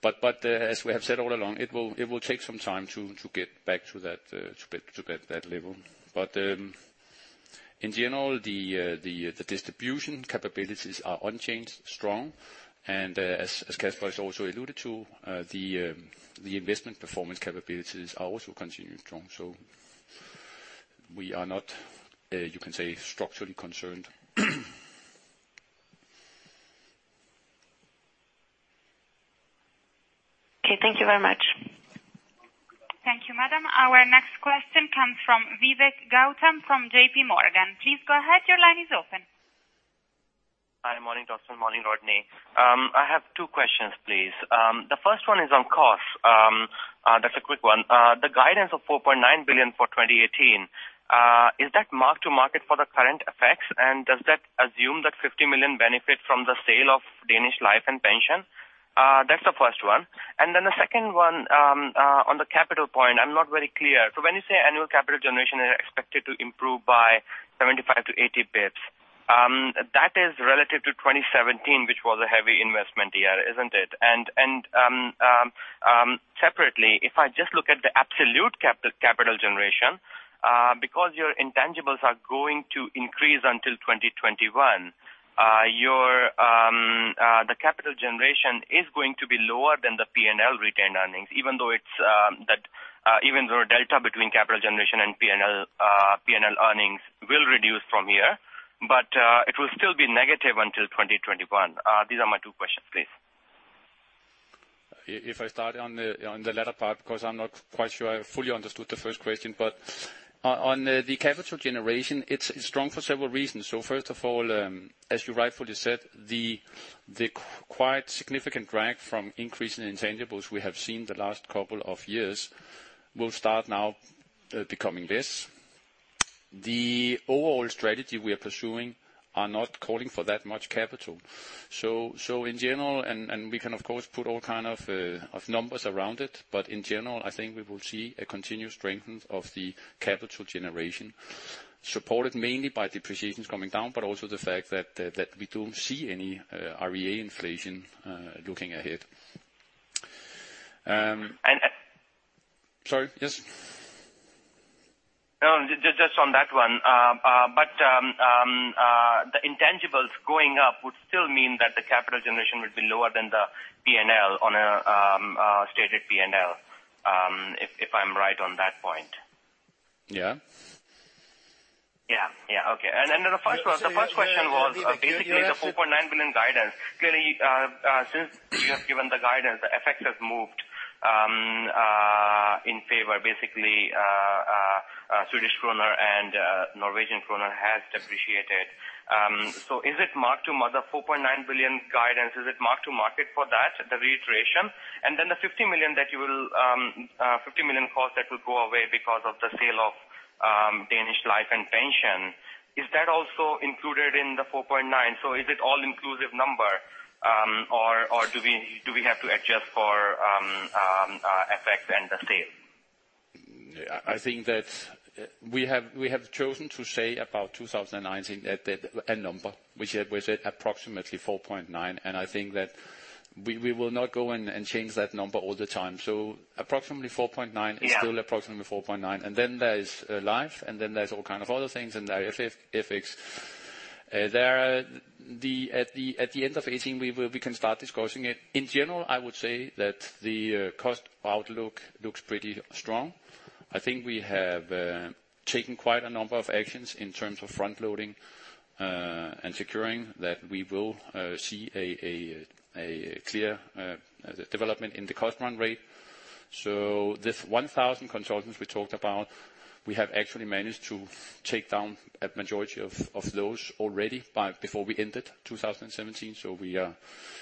As we have said all along, it will take some time to get back to that level. In general, the distribution capabilities are unchanged, strong, and as Casper has also alluded to, the investment performance capabilities are also continuing strong. We are not, you can say, structurally concerned. Okay. Thank you very much. Thank you, Madam. Our next question comes from Vivek Gautam from JP Morgan. Please go ahead. Your line is open. Hi. Morning, Torsten. Morning, Rodney. I have two questions, please. The first one is on cost. That's a quick one. The guidance of 4.9 billion for 2018, is that mark-to-market for the current effects? Does that assume that 50 million benefit from the sale of Danish life and pension? That's the first one. The second one, on the capital point, I am not very clear. When you say annual capital generation is expected to improve by 75 to 80 basis points, that is relative to 2017, which was a heavy investment year, isn't it? Separately, if I just look at the absolute capital generation, because your intangibles are going to increase until 2021, the capital generation is going to be lower than the P&L retained earnings, even though delta between capital generation and P&L earnings will reduce from here. It will still be negative until 2021. These are my two questions, please. If I start on the latter part, because I am not quite sure I fully understood the first question. On the capital generation, it's strong for several reasons. First of all, as you rightfully said, the quite significant drag from increase in intangibles we have seen the last couple of years will start now becoming less. The overall strategy we are pursuing are not calling for that much capital. In general, and we can of course put all kind of numbers around it. In general, I think we will see a continued strength of the capital generation, supported mainly by depreciations coming down, but also the fact that we don't see any REA inflation looking ahead. And- Sorry, yes. Just on that one. The intangibles going up would still mean that the capital generation would be lower than the PNL on a stated PNL, if I'm right on that point. Yeah. The first question was basically the 4.9 billion guidance. Clearly, since you have given the guidance, the FX has moved in favor, basically Swedish krona and Norwegian krona has depreciated. The 4.9 billion guidance, is it marked to market for that, the reiteration? The 50 million cost that will go away because of the sale of NLP Denmark. Is that also included in the 4.9? Is it all inclusive number, or do we have to adjust for FX and the sale? I think that we have chosen to say about 2019 a number, which was approximately 4.9, and I think that we will not go and change that number all the time. Approximately 4.9 is still approximately 4.9, and then there is life, and then there's all kind of other things in the FX. At the end of 2018, we can start discussing it. In general, I would say that the cost outlook looks pretty strong. I think we have taken quite a number of actions in terms of front-loading, and securing that we will see a clear development in the cost run rate. This 1,000 consultants we talked about, we have actually managed to take down a majority of those already before we ended 2017.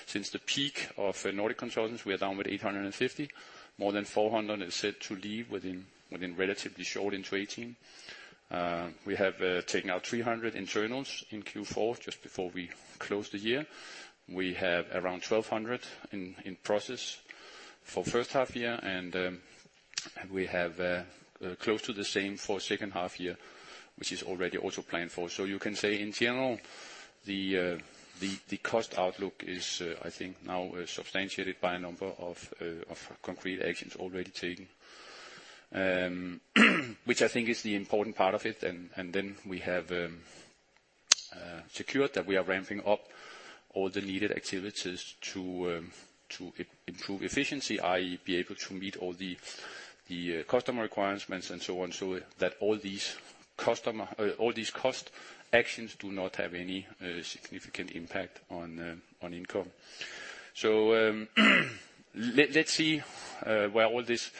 Since the peak of Nordic consultants, we are down with 850. More than 400 is set to leave within relatively short into 2018. We have taken out 300 internals in Q4 just before we closed the year. We have around 1,200 in process for first half year, and we have close to the same for second half year, which is already also planned for. You can say in general, the cost outlook is, I think now substantiated by a number of concrete actions already taken, which I think is the important part of it. Then we have secured that we are ramping up all the needed activities to improve efficiency, i.e. be able to meet all the customer requirements and so on, so that all these cost actions do not have any significant impact on income. Let's see where all this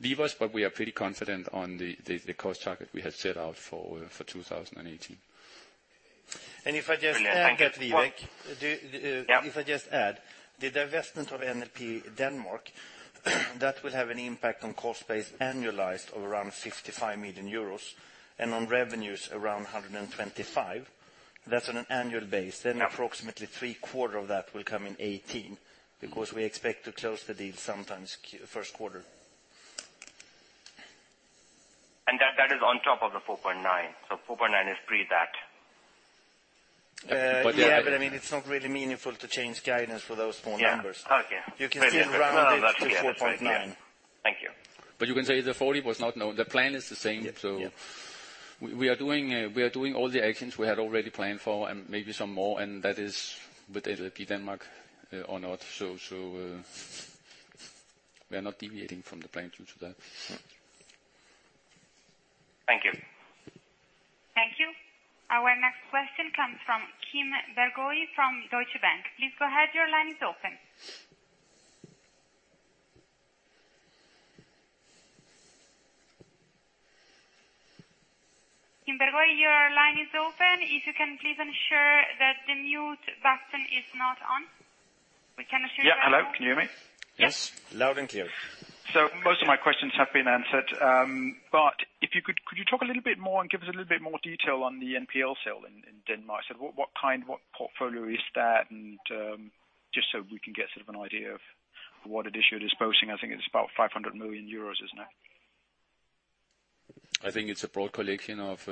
leave us, but we are pretty confident on the cost target we have set out for 2018. If I just add that, Vivek. If I just add, the divestment of NLP Denmark, that will have an impact on cost base annualized of around 55 million euros, and on revenues around 125. That's on an annual basis. Approximately three quarter of that will come in 2018 because we expect to close the deal sometimes first quarter. That is on top of the 4.9. 4.9 is pre that. It's not really meaningful to change guidance for those small numbers. You can see rounded to 4.9. Thank you. You can say the 40 was not known. The plan is the same. Yeah. We are doing all the actions we had already planned for and maybe some more, and that is with NLP Denmark or not. We are not deviating from the plan due to that. Thank you. Thank you. Our next question comes from Kim Bergoe from Deutsche Bank. Please go ahead. Your line is open. Kim Bergoe, your line is open. If you can please ensure that the mute button is not on. We cannot hear you at all. Yeah. Hello, can you hear me? Yes. Loud and clear. Most of my questions have been answered. Could you talk a little bit more, and give us a little bit more detail on the NPL sale in Denmark? What kind, what portfolio is that? And just so we can get sort of an idea of what it is you're disposing. I think it's about 500 million euros, isn't it? I think it's a broad collection of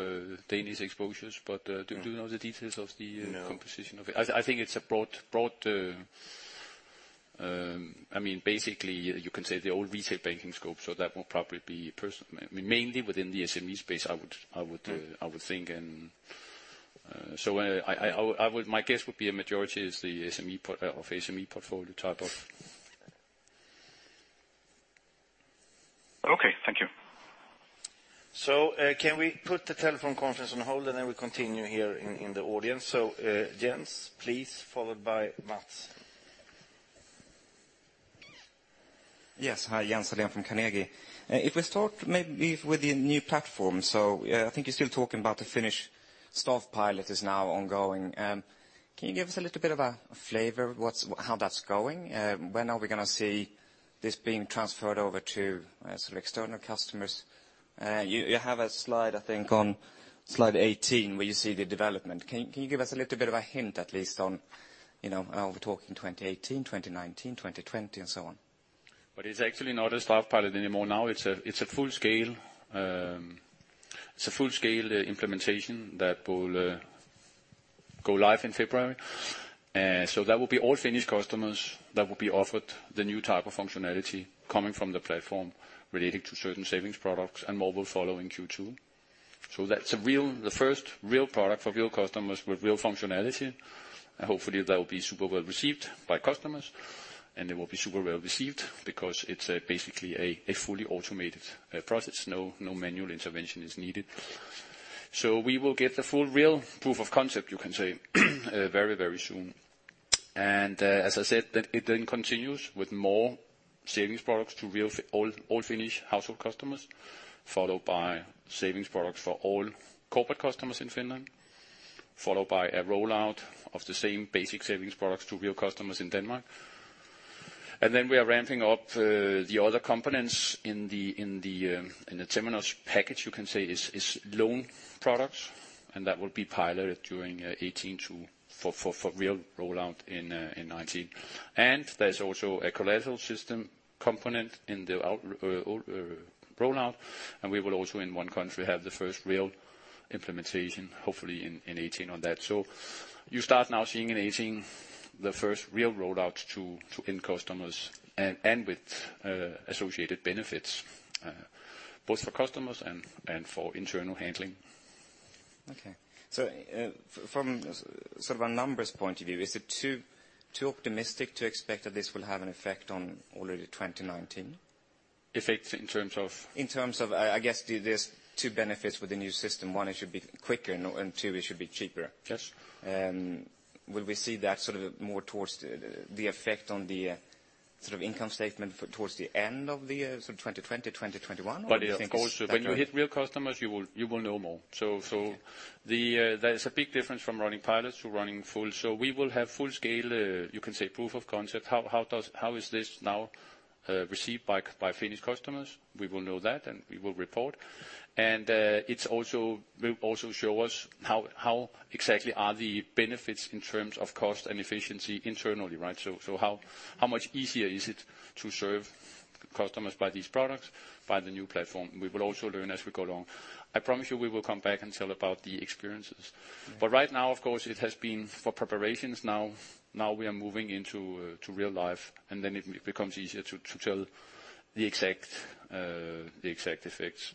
Danish exposures. Do you know the details of the composition of it? No. I think it's a broad, basically you can say the old retail banking scope, so that will probably be mainly within the SME space, I would think. My guess would be a majority is the SME portfolio type of. Okay. Thank you. Can we put the telephone conference on hold and then we continue here in the audience. Jens, please, followed by Matt. Yes. Hi, Jens Hallén from Carnegie. We start maybe with the new platform. I think you're still talking about the Finnish staff pilot is now ongoing. Can you give us a little bit of a flavor how that's going? When are we going to see this being transferred over to external customers. You have a slide, I think on slide 18, where you see the development. Can you give us a little bit of a hint, at least, on are we talking 2018, 2019, 2020 and so on? It's actually not a soft pilot anymore now. It's a full-scale implementation that will go live in February. That will be all Finnish customers that will be offered the new type of functionality coming from the platform relating to certain savings products, and mobile following Q2. That's the first real product for real customers with real functionality. Hopefully, that will be super well received by customers, and it will be super well received because it's basically a fully automated process. No manual intervention is needed. We will get the full real proof of concept, you can say, very soon. As I said, it then continues with more savings products to all Finnish household customers, followed by savings products for all corporate customers in Finland, followed by a rollout of the same basic savings products to real customers in Denmark. We are ramping up the other components in the Temenos package, you can say, is loan products, and that will be piloted during 2018 for real rollout in 2019. There's also a collateral system component in the rollout. We will also, in one country, have the first real implementation, hopefully in 2018 on that. You start now seeing in 2018 the first real rollout to end customers and with associated benefits. Both for customers and for internal handling. Okay. From a numbers point of view, is it too optimistic to expect that this will have an effect on already 2019? Effect in terms of? In terms of, I guess, there is two benefits with the new system. One, it should be quicker, and two, it should be cheaper. Yes. Will we see that more towards the effect on the income statement towards the end of the year, 2020, 2021? Do you think it is? Of course, when you hit real customers, you will know more. Okay. There's a big difference from running pilots to running full. We will have full scale, you can say proof of concept. How is this now received by Finnish customers? We will know that, and we will report. It will also show us how exactly are the benefits in terms of cost and efficiency internally, right? How much easier is it to serve customers by these products, by the new platform? We will also learn as we go along. I promise you we will come back and tell about the experiences. Okay. Right now, of course, it has been for preparations. Now we are moving into real life, and then it becomes easier to tell the exact effects.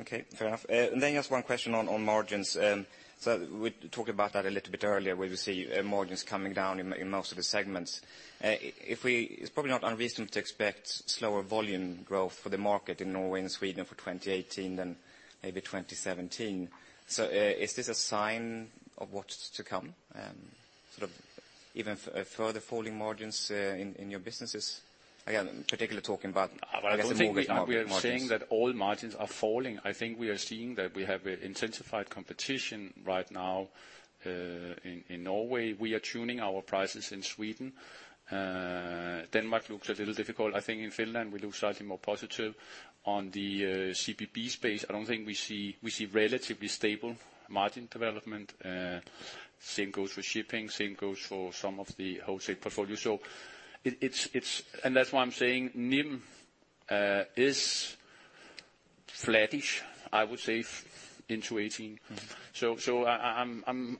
Okay, fair enough. Then just one question on margins. We talked about that a little bit earlier, where we see margins coming down in most of the segments. It's probably not unreasonable to expect slower volume growth for the market in Norway and Sweden for 2018 than maybe 2017. Is this a sign of what's to come? Sort of even further falling margins in your businesses? I don't think we are. I guess the margins saying that all margins are falling. I think we are seeing that we have an intensified competition right now in Norway. We are tuning our prices in Sweden. Denmark looks a little difficult. I think in Finland we look slightly more positive. On the CBB space, I don't think we see relatively stable margin development. Same goes for shipping, same goes for some of the wholesale portfolio. That's why I'm saying NIM is flattish, I would say, into 2018.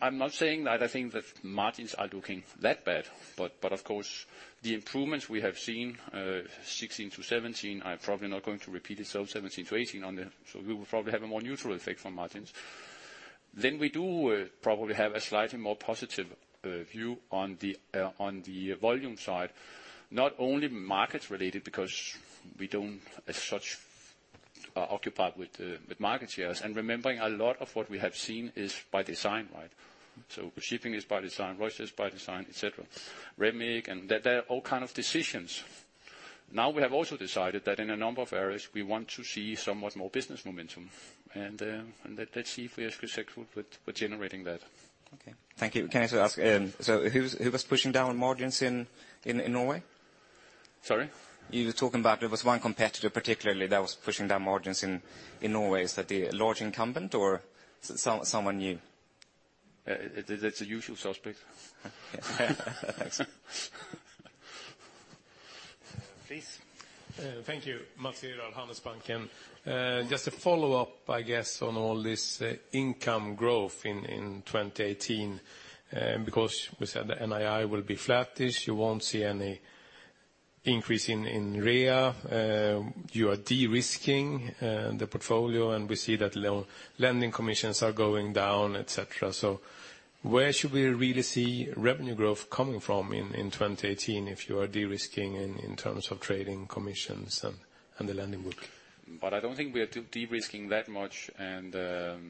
I'm not saying that I think that margins are looking that bad, but of course, the improvements we have seen, 2016 to 2017, are probably not going to repeat itself 2017 to 2018. We will probably have a more neutral effect from margins. We do probably have a slightly more positive view on the volume side, not only markets related because we don't as such occupy with market shares. Remembering a lot of what we have seen is by design, right? Shipping is by design, voices by design, et cetera. Remake. They're all kind of decisions. We have also decided that in a number of areas, we want to see somewhat more business momentum. Let's see if we are successful with generating that. Okay. Thank you. Can I also ask, so who was pushing down margins in Norway? Sorry? You were talking about there was one competitor particularly that was pushing down margins in Norway. Is that the large incumbent or someone new? It's the usual suspect. Thanks. Please. Thank you. Matthew from Handelsbanken. Just a follow-up, I guess, on all this income growth in 2018. We said the NII will be flattish. You won't see any increase in REA. You are de-risking the portfolio, and we see that lending commissions are going down, et cetera. Where should we really see revenue growth coming from in 2018 if you are de-risking in terms of trading commissions and the lending book? I don't think we are de-risking that much. I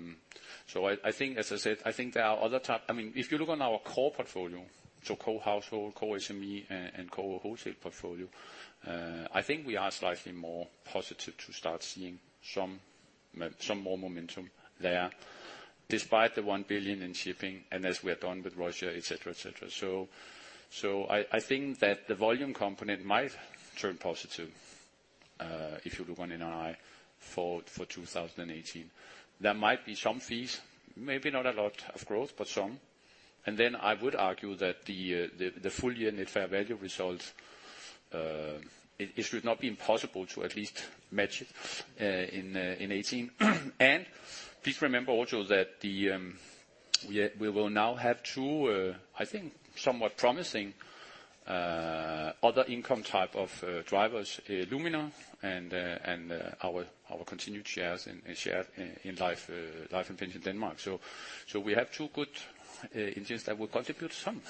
think there are other type If you look on our core portfolio, so core household, core SME, and core wholesale portfolio, I think we are slightly more positive to start seeing some more momentum there, despite the 1 billion in shipping and as we are done with Russia, et cetera. I think that the volume component might turn positive if you look on an eye for 2018. There might be some fees, maybe not a lot of growth, but some. I would argue that the full year net fair value results, it should not be impossible to at least match in '18. Please remember also that we will now have two, I think, somewhat promising other income type of drivers, Luminor and our continued shares in Life and Pension Denmark. We have two good engines that will contribute some.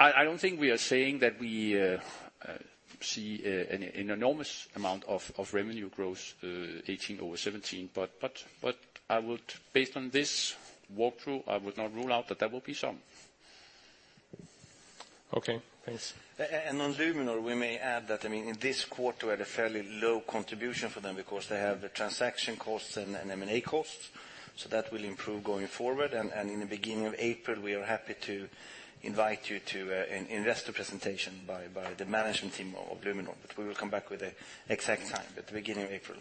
I don't think we are saying that we see an enormous amount of revenue growth '18 over '17. Based on this walkthrough, I would not rule out that there will be some. Okay, thanks. On Luminor, we may add that in this quarter had a fairly low contribution for them because they have the transaction costs and M&A costs. That will improve going forward. In the beginning of April, we are happy to invite you to an investor presentation by the management team of Luminor. We will come back with the exact time, but the beginning of April.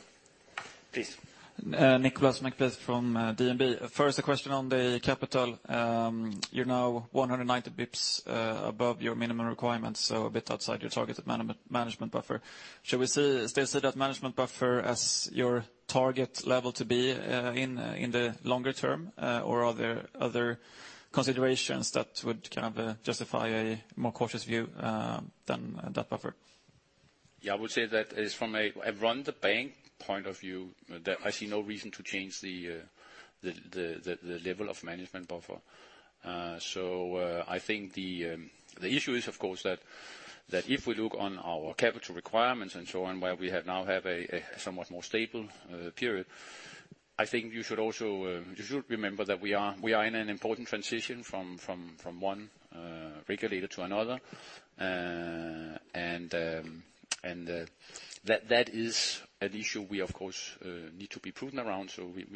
Please. Nicolas McBeath from DNB. First, a question on the capital. You're now 190 basis points above your minimum requirements, a bit outside your targeted management buffer. Should we still see that management buffer as your target level to be in the longer term? Are there other considerations that would justify a more cautious view than that buffer? I would say that is from a run the bank point of view that I see no reason to change the level of management buffer. I think the issue is of course that if we look on our capital requirements and so on, where we now have a somewhat more stable period, I think you should remember that we are in an important transition from one regulator to another. That is an issue we, of course, need to be prudent around.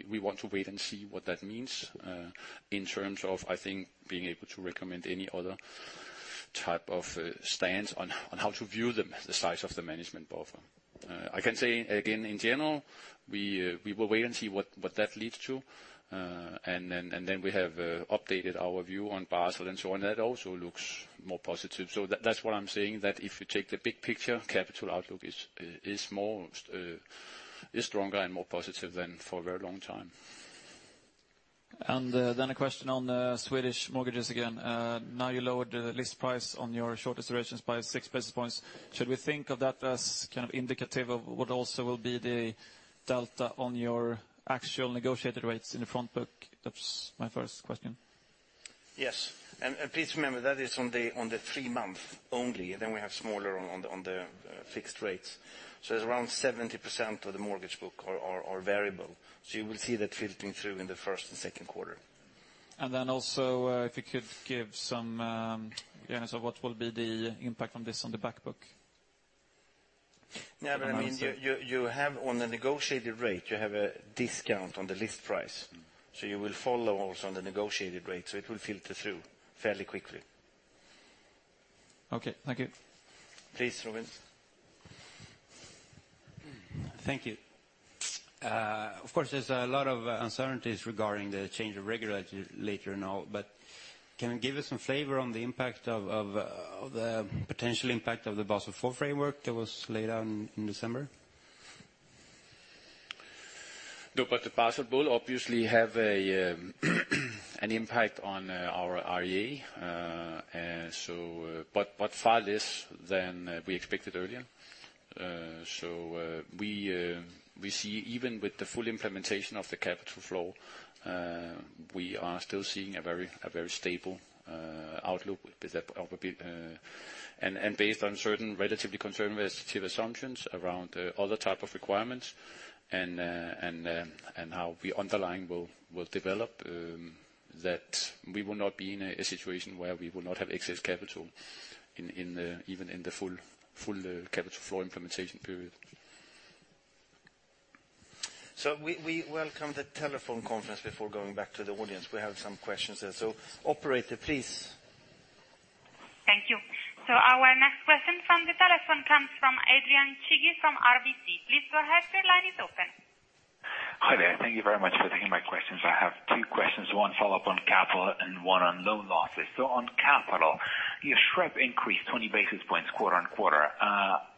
We want to wait and see what that means in terms of, I think, being able to recommend any other type of stance on how to view the size of the management buffer. I can say again, in general, we will wait and see what that leads to. Then we have updated our view on Basel and so on. That also looks more positive. That's what I'm saying, that if you take the big picture, capital outlook is stronger and more positive than for a very long time. Question on Swedish mortgages again. Now you lowered the list price on your shortest durations by six basis points. Should we think of that as indicative of what also will be the delta on your actual negotiated rates in the front book? That is my first question. Yes. Please remember, that is on the three-month only. We have smaller on the fixed rates. It is around 70% of the mortgage book are variable. You will see that filtering through in the first and second quarter. Also if you could give some guidance of what will be the impact from this on the back book. You have on the negotiated rate, you have a discount on the list price. You will follow also on the negotiated rate. It will filter through fairly quickly. Okay. Thank you. Please, Robin. Thank you. Of course, there's a lot of uncertainties regarding the change of regulatory later and all. Can you give us some flavor on the impact of the potential impact of the Basel IV framework that was laid out in December? No, the Basel will obviously have an impact on our REA. Far less than we expected earlier. We see even with the full implementation of the capital floor, we are still seeing a very stable outlook. Based on certain relatively conservative assumptions around other type of requirements and how we underlying will develop, that we will not be in a situation where we will not have excess capital even in the full capital floor implementation period. We welcome the telephone conference before going back to the audience. We have some questions there. Operator, please. Thank you. Our next question from the telephone comes from Adrian Chigi from RBC. Please go ahead. Your line is open. Hi there. Thank you very much for taking my questions. I have two questions, one follow-up on capital and one on loan losses. On capital, your SREP increased 20 basis points quarter-on-quarter.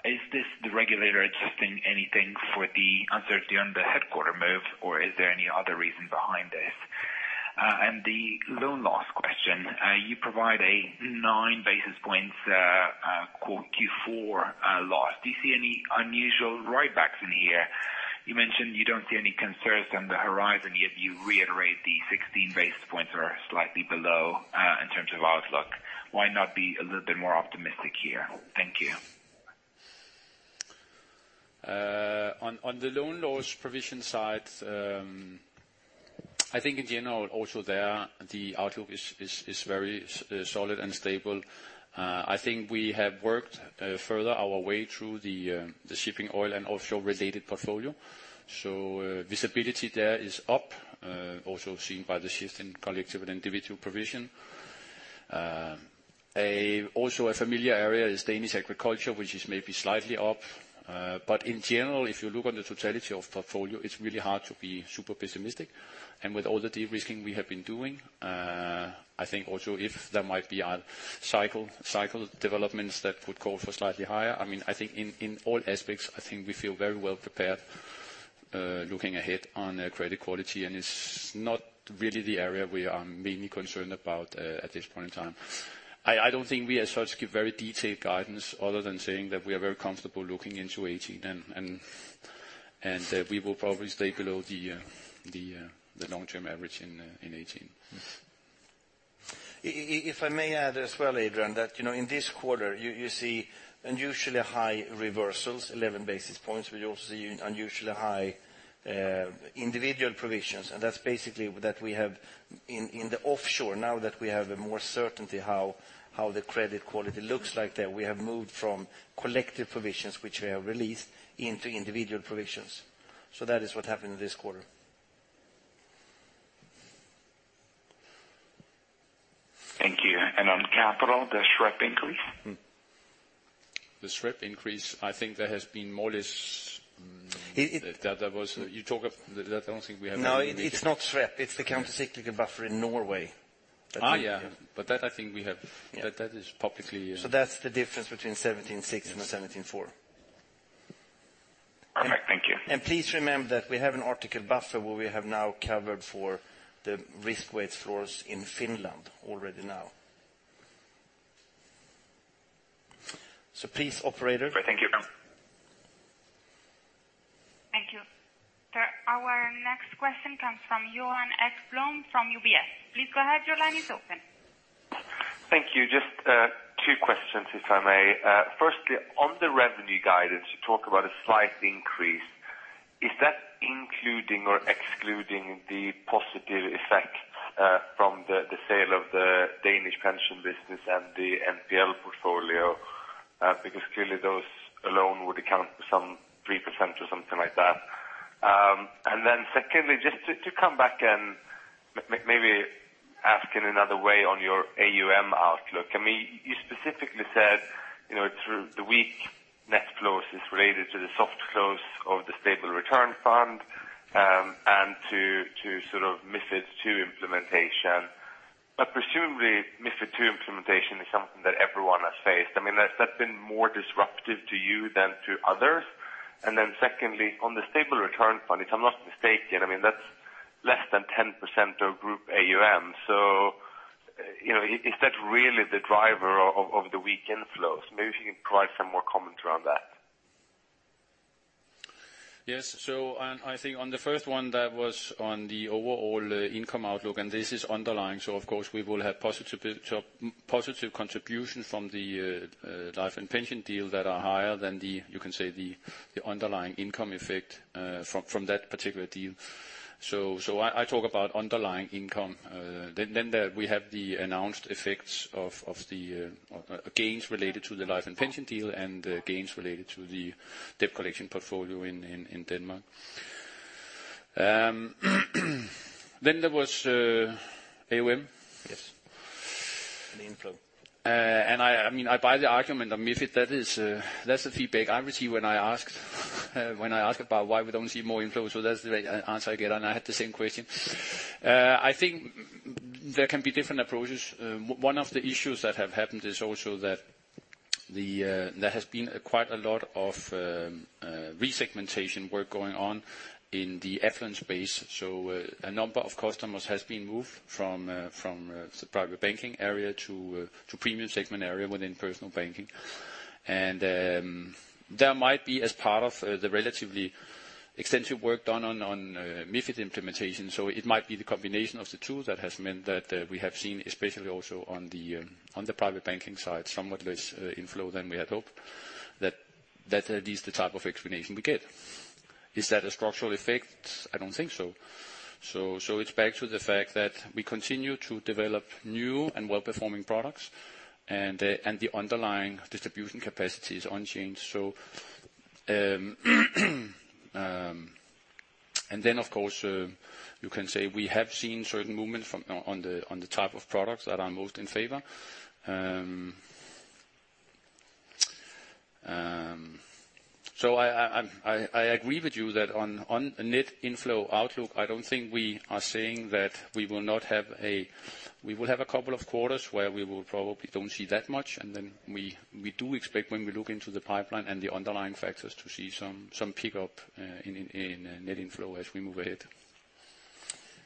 Is this the regulator adjusting anything for the uncertainty on the headquarter move, or is there any other reason behind this? The loan loss question, you provide a nine basis points Q4 loss. Do you see any unusual write-backs in here? You mentioned you don't see any concerns on the horizon, yet you reiterate the 16 basis points are slightly below in terms of outlook. Why not be a little bit more optimistic here? Thank you. On the loan loss provision side I think in general, also there, the outlook is very solid and stable. I think we have worked further our way through the shipping oil and offshore-related portfolio. Visibility there is up, also seen by the shift in collective and individual provision. Also a familiar area is Danish agriculture, which is maybe slightly up. In general, if you look on the totality of portfolio, it's really hard to be super pessimistic. With all the de-risking we have been doing, I think also if there might be cycle developments that would call for slightly higher. I think in all aspects, I think we feel very well prepared looking ahead on credit quality, and it's not really the area we are mainly concerned about at this point in time. I don't think we are supposed to give very detailed guidance other than saying that we are very comfortable looking into 2018, and that we will probably stay below the long-term average in 2018. If I may add as well, Adrian, that in this quarter you see unusually high reversals, 11 basis points. We also see unusually high individual provisions, that is basically that we have in the offshore, now that we have a more certainty how the credit quality looks like there. We have moved from collective provisions, which we have released, into individual provisions. That is what happened this quarter. Thank you. On capital, the SREP increase? The SREP increase, I think that has been more or less. It's not SREP, it's the countercyclical buffer in Norway. Yeah. That I think we have. That's the difference between 17.6 and the 17.4. Perfect. Thank you. Please remember that we have an Article 3 buffer where we have now covered for the risk weight floors in Finland already now. Please, operator. Thank you. Thank you. Our next question comes from Johan Ekblom from UBS. Please go ahead, your line is open. Thank you. Just two questions, if I may. Firstly, on the revenue guidance, you talk about a slight increase. Is that including or excluding the positive effect from the sale of the Danish pension business and the NPL portfolio? Clearly those alone would account for some 3% or something like that. Secondly, just to come back and maybe ask in another way on your AUM outlook. You specifically said the weak net flows is related to the soft close of the Stable Return Fund, and to MiFID II implementation. Presumably MiFID II implementation is something that everyone has faced. Has that been more disruptive to you than to others? Secondly, on the Stable Return Fund, if I'm not mistaken, that's less than 10% of group AUM. Is that really the driver of the weak inflows? Maybe if you can provide some more comment around that. Yes. I think on the first one, that was on the overall income outlook, and this is underlying. Of course we will have positive contribution from the life and pension deal that are higher than the underlying income effect from that particular deal. I talk about underlying income. We have the announced effects of the gains related to the life and pension deal and gains related to the debt collection portfolio in Denmark. There was AUM. Yes. The inflow. I buy the argument on MiFID. That's the feedback I receive when I ask about why we don't see more inflows. That's the answer I get, and I had the same question. I think there can be different approaches. One of the issues that have happened is also that there has been quite a lot of resegmentation work going on in the affluence space. A number of customers has been moved from the private banking area to premium segment area within personal banking. That might be as part of the relatively extensive work done on MiFID implementation. It might be the combination of the two that has meant that we have seen, especially also on the private banking side, somewhat less inflow than we had hoped. That is the type of explanation we get. Is that a structural effect? I don't think so. It's back to the fact that we continue to develop new and well-performing products, and the underlying distribution capacity is unchanged. Then, of course, you can say we have seen certain movement on the type of products that are most in favor. I agree with you that on net inflow outlook, I don't think we are saying that we will have a couple of quarters where we will probably don't see that much, and then we do expect when we look into the pipeline and the underlying factors to see some pickup in net inflow as we move ahead.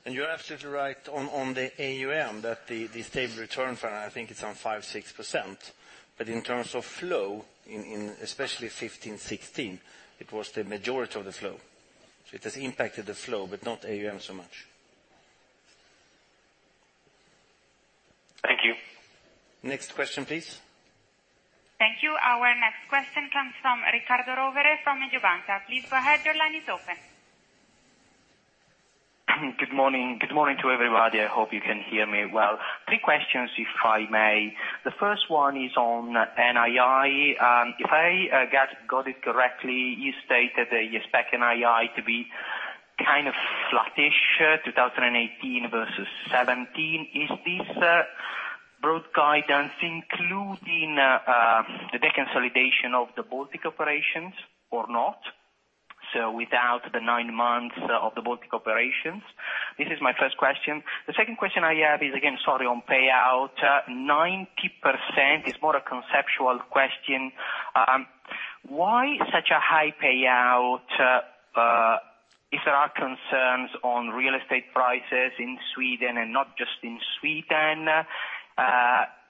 You're absolutely right on the AUM that the Stable Return Fund, I think it's on 5%, 6%. In terms of flow in especially 2015, 2016, it was the majority of the flow. It has impacted the flow, but not AUM so much. Thank you. Next question, please. Thank you. Our next question comes from Ricardo Rovere from Mediobanca. Please go ahead. Your line is open. Good morning to everybody. I hope you can hear me well. Three questions if I may. The first one is on NII. If I got it correctly, you stated that you expect NII to be kind of flattish 2018 versus 2017. Is this broad guidance including the deconsolidation of the Baltic operations or not? Without the nine months of the Baltic operations? This is my first question. The second question I have is, again, sorry, on payout. 90% is more a conceptual question. Why such a high payout if there are concerns on real estate prices in Sweden and not just in Sweden?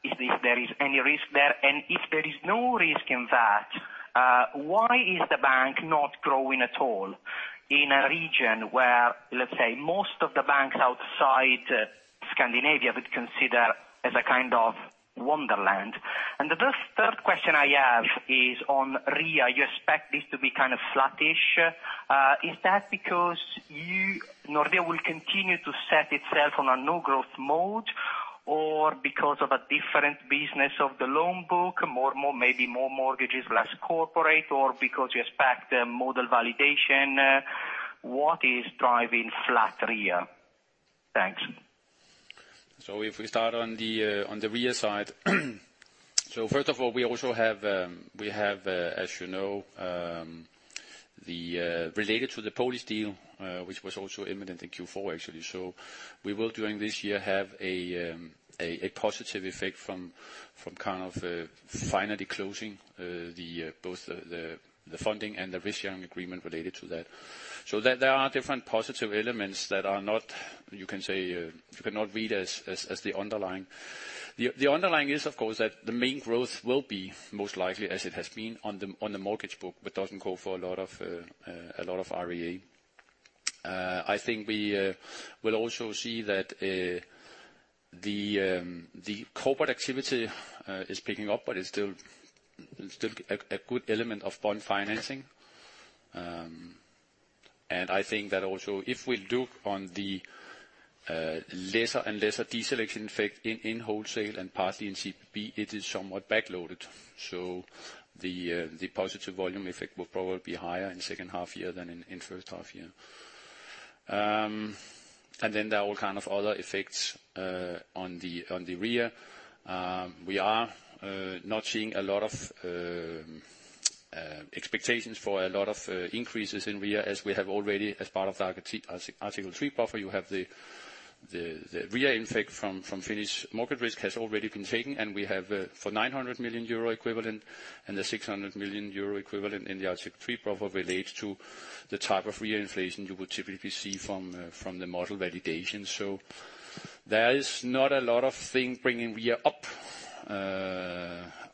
If there is any risk there, and if there is no risk in that, why is the bank not growing at all in a region where, let's say, most of the banks outside Scandinavia would consider as a kind of wonderland? The third question I have is on REA. You expect this to be kind of flattish. Is that because Nordea will continue to set itself on a no-growth mode or because of a different business of the loan book, maybe more mortgages, less corporate, or because you expect the model validation? What is driving flat REA? Thanks. If we start on the REA side. First of all, we also have, as you know, related to the Polish deal, which was also imminent in Q4, actually. We will, during this year, have a positive effect from finally closing both the funding and the risk sharing agreement related to that. There are different positive elements that you cannot read as the underlying. The underlying is, of course, that the main growth will be most likely as it has been on the mortgage book, but doesn't call for a lot of REA. I think that also if we look on the lesser and lesser deselection effect in wholesale and partly in CBB, it is somewhat backloaded. The positive volume effect will probably be higher in second half year than in first half year. There are all kind of other effects on the REA. We are not seeing a lot of expectations for a lot of increases in REA as we have already as part of our Article 3 buffer. You have the REA effect from Finnish market risk has already been taken, and we have for 900 million euro equivalent and the 600 million euro equivalent in the Article 3 buffer relates to the type of REA inflation you would typically see from the model validation. There is not a lot of things bringing REA up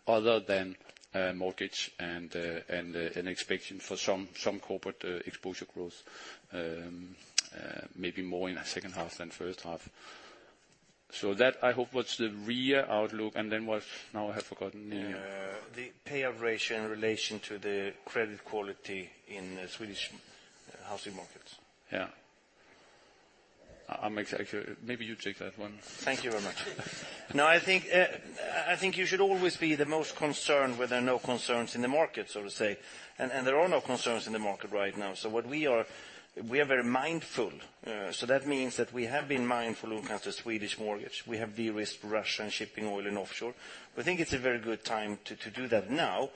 other than mortgage and expecting for some corporate exposure growth, maybe more in the second half than first half. That, I hope, was the REA outlook. What now I have forgotten. The payout ratio in relation to the credit quality in Swedish housing markets. Yeah. Maybe you take that one. Thank you very much. I think you should always be the most concerned where there are no concerns in the market, so to say. There are no concerns in the market right now. We are very mindful. That means that we have been mindful when it comes to Swedish mortgage. We have de-risked Russia and shipping oil and offshore. We think it's a very good time to do that now,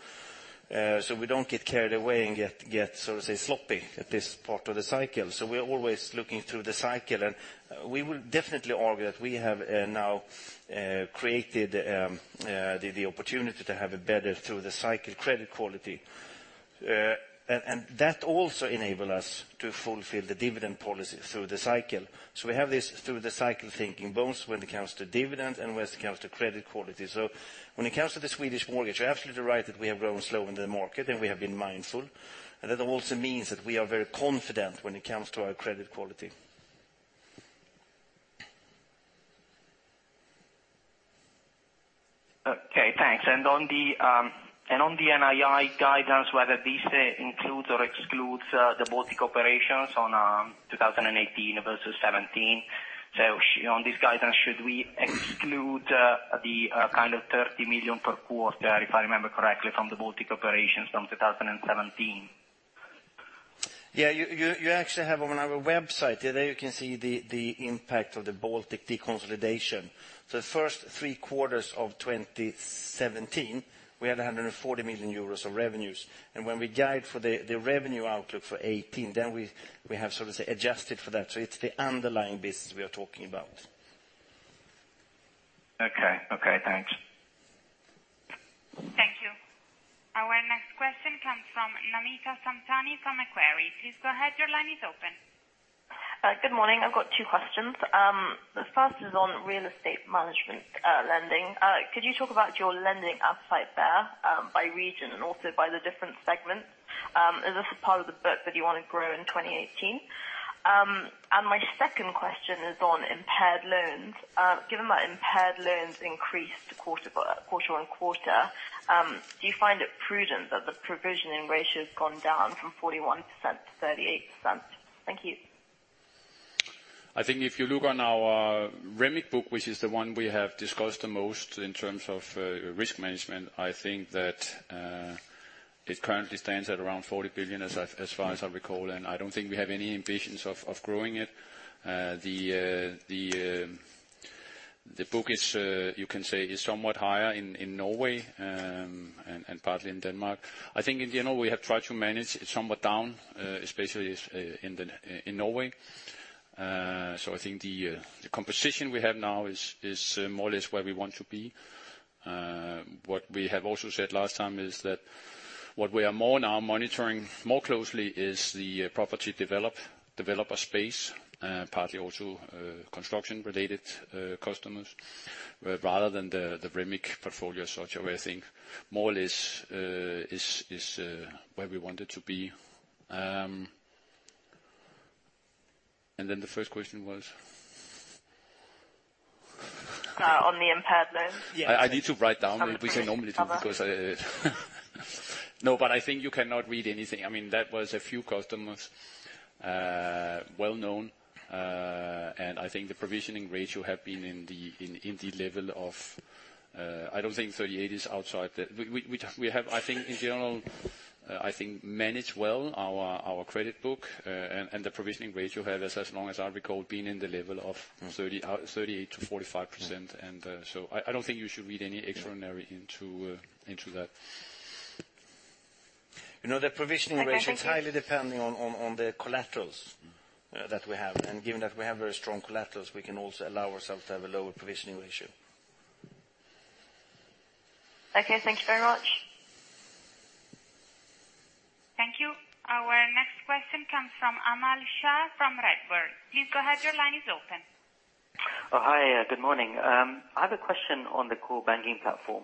so we don't get carried away and get, so to say, sloppy at this part of the cycle. We are always looking through the cycle, and we will definitely argue that we have now created the opportunity to have a better through the cycle credit quality. That also enable us to fulfill the dividend policy through the cycle. We have this through the cycle thinking both when it comes to dividends and when it comes to credit quality. When it comes to the Swedish mortgage, you're absolutely right that we have grown slow in the market, and we have been mindful, and that also means that we are very confident when it comes to our credit quality. Okay, thanks. On the NII guidance, whether this includes or excludes the Baltic operations on 2018 versus 2017. On this guidance, should we exclude the kind of 30 million per quarter, if I remember correctly, from the Baltic operations from 2017? Yeah, you actually have on our website. There you can see the impact of the Baltic deconsolidation. The first three quarters of 2017, we had 140 million euros of revenues. When we guide for the revenue outlook for 2018, we have sort of adjusted for that. It's the underlying business we are talking about. Okay. Thanks. Thank you. Our next question comes from Namita Samtani from Barclays. Please go ahead. Your line is open. Good morning. I've got two questions. The first is on real estate management lending. Could you talk about your lending upside there by region and also by the different segments? Is this a part of the book that you want to grow in 2018? My second question is on impaired loans. Given that impaired loans increased quarter-on-quarter, do you find it prudent that the provisioning ratio's gone down from 41% to 38%? Thank you. I think if you look on our REMIC book, which is the one we have discussed the most in terms of risk management, I think that it currently stands at around 40 billion, as far as I recall. I don't think we have any ambitions of growing it. The book is, you can say, is somewhat higher in Norway and partly in Denmark. I think in general, we have tried to manage it somewhat down, especially in Norway. I think the composition we have now is more or less where we want to be. What we have also said last time is that what we are more now monitoring more closely is the property developer space, partly also construction-related customers rather than the REMIC portfolio, such where I think more or less is where we want it to be. Then the first question was? On the impaired loans. Yeah. I need to write down what we say normally too, because I think you cannot read anything. That was a few customers, well-known, and I think the provisioning ratio have been in the level of. I don't think 38 is outside the. We have, I think in general, managed well our credit book, and the provisioning ratio has, as long as I recall, been in the level of 38 to 45%. I don't think you should read any extraordinary into that. The provisioning ratio is highly depending on the collaterals that we have. Given that we have very strong collaterals, we can also allow ourselves to have a lower provisioning ratio. Okay, thank you very much. Thank you. Our next question comes from Amal Shah from Redburn. Please go ahead, your line is open. Oh, hi. Good morning. I have a question on the core banking platform.